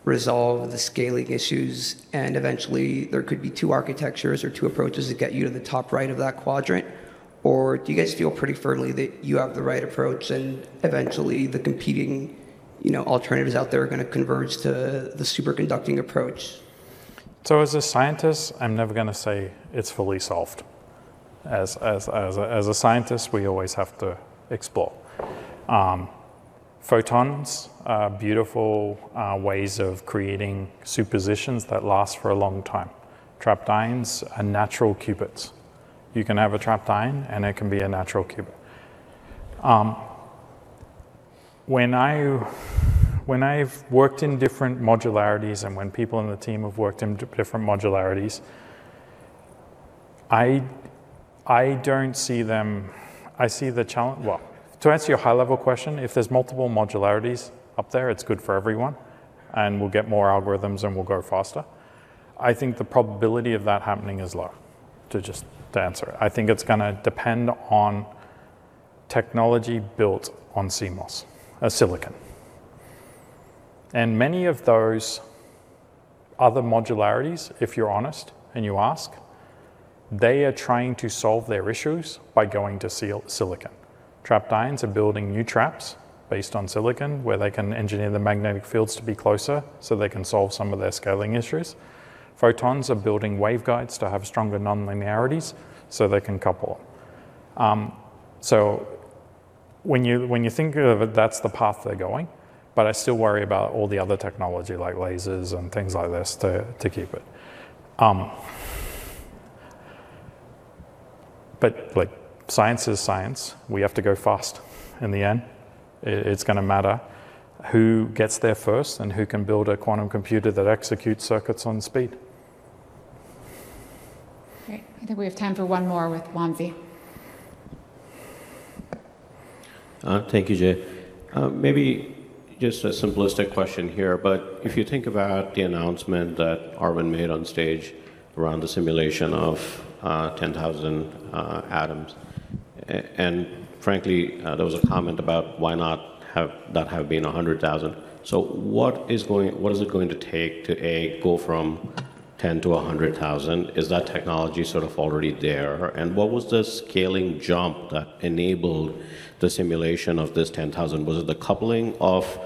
resolve the scaling issues, and eventually there could be two architectures or two approaches that get you to the top right of that quadrant? Do you guys feel pretty firmly that you have the right approach and eventually the competing alternatives out there are going to converge to the superconducting approach? As a scientist, I'm never going to say it's fully solved. As a scientist, we always have to explore. Photons are beautiful ways of creating superpositions that last for a long time. Trapped ions are natural qubits. You can have a trapped ion, and it can be a natural qubit. When I've worked in different modularities and when people in the team have worked in different modularities, Well, to answer your high-level question, if there's multiple modularities up there, it's good for everyone, and we'll get more algorithms, and we'll go faster. I think the probability of that happening is low, to just answer it. I think it's going to depend on technology built on CMOS, silicon. Many of those other modularities, if you're honest and you ask, they are trying to solve their issues by going to silicon. Trapped ions are building new traps based on silicon, where they can engineer the magnetic fields to be closer, so they can solve some of their scaling issues. Photons are building waveguides to have stronger non-linearities so they can couple. When you think of it, that's the path they're going, but I still worry about all the other technology like lasers and things like this to keep it. Science is science. We have to go fast in the end. It's going to matter who gets there first and who can build a quantum computer that executes circuits on speed. Great. I think we have time for one more with Wamsi. Thank you, Jay. Maybe just a simplistic question here, but if you think about the announcement that Arvind made on stage around the simulation of 10,000 atoms, and frankly, there was a comment about why not have that have been 100,000. What is it going to take to, A, go from 10 to 100,000? Is that technology sort of already there? What was the scaling jump that enabled the simulation of this 10,000? Was it the coupling of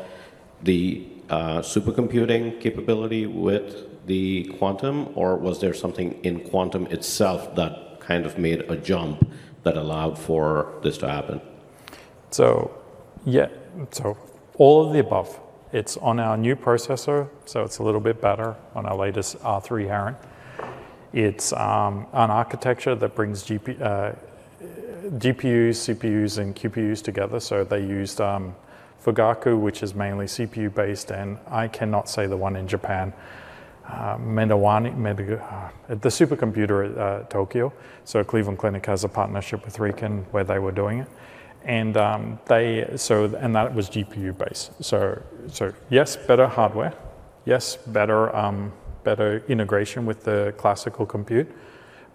the supercomputing capability with the quantum, or was there something in quantum itself that kind of made a jump that allowed for this to happen? Yeah. All of the above. It's on our new processor, it's a little bit better on our latest R3 Heron. It's an architecture that brings GPUs, CPUs, and QPUs together. They used Fugaku, which is mainly CPU based, and I cannot say the one in Japan. The supercomputer at Tokyo. Cleveland Clinic has a partnership with RIKEN where they were doing it. That was GPU based. Yes, better hardware. Yes, better integration with the classical compute.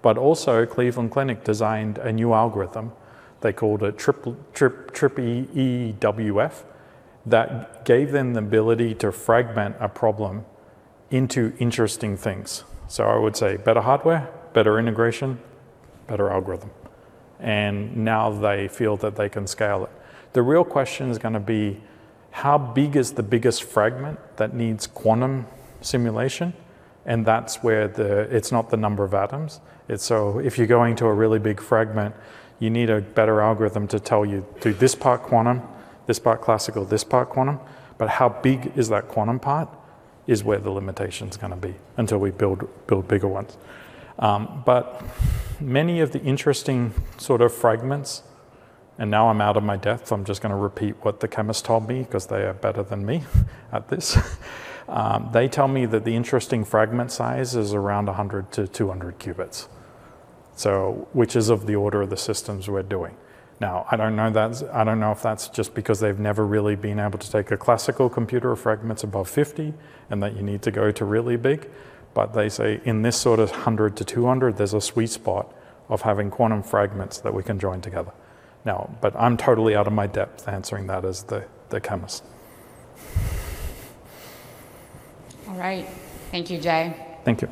Also Cleveland Clinic designed a new algorithm they called a TRIPWF that gave them the ability to fragment a problem into interesting things. I would say better hardware, better integration, better algorithm, and now they feel that they can scale it. The real question is going to be how big is the biggest fragment that needs quantum simulation? That's where it's not the number of atoms. If you're going to a really big fragment, you need a better algorithm to tell you, Do this part quantum, this part classical, this part quantum. How big is that quantum part is where the limitation's going to be until we build bigger ones. Many of the interesting sort of fragments, and now I'm out of my depth, I'm just going to repeat what the chemists told me because they are better than me at this. They tell me that the interesting fragment size is around 100 to 200 qubits. Which is of the order of the systems we're doing. I don't know if that's just because they've never really been able to take a classical computer of fragments above 50 and that you need to go to really big, they say in this sort of 100-200, there's a sweet spot of having quantum fragments that we can join together. I'm totally out of my depth answering that as the chemist. All right. Thank you, Jay. Thank you.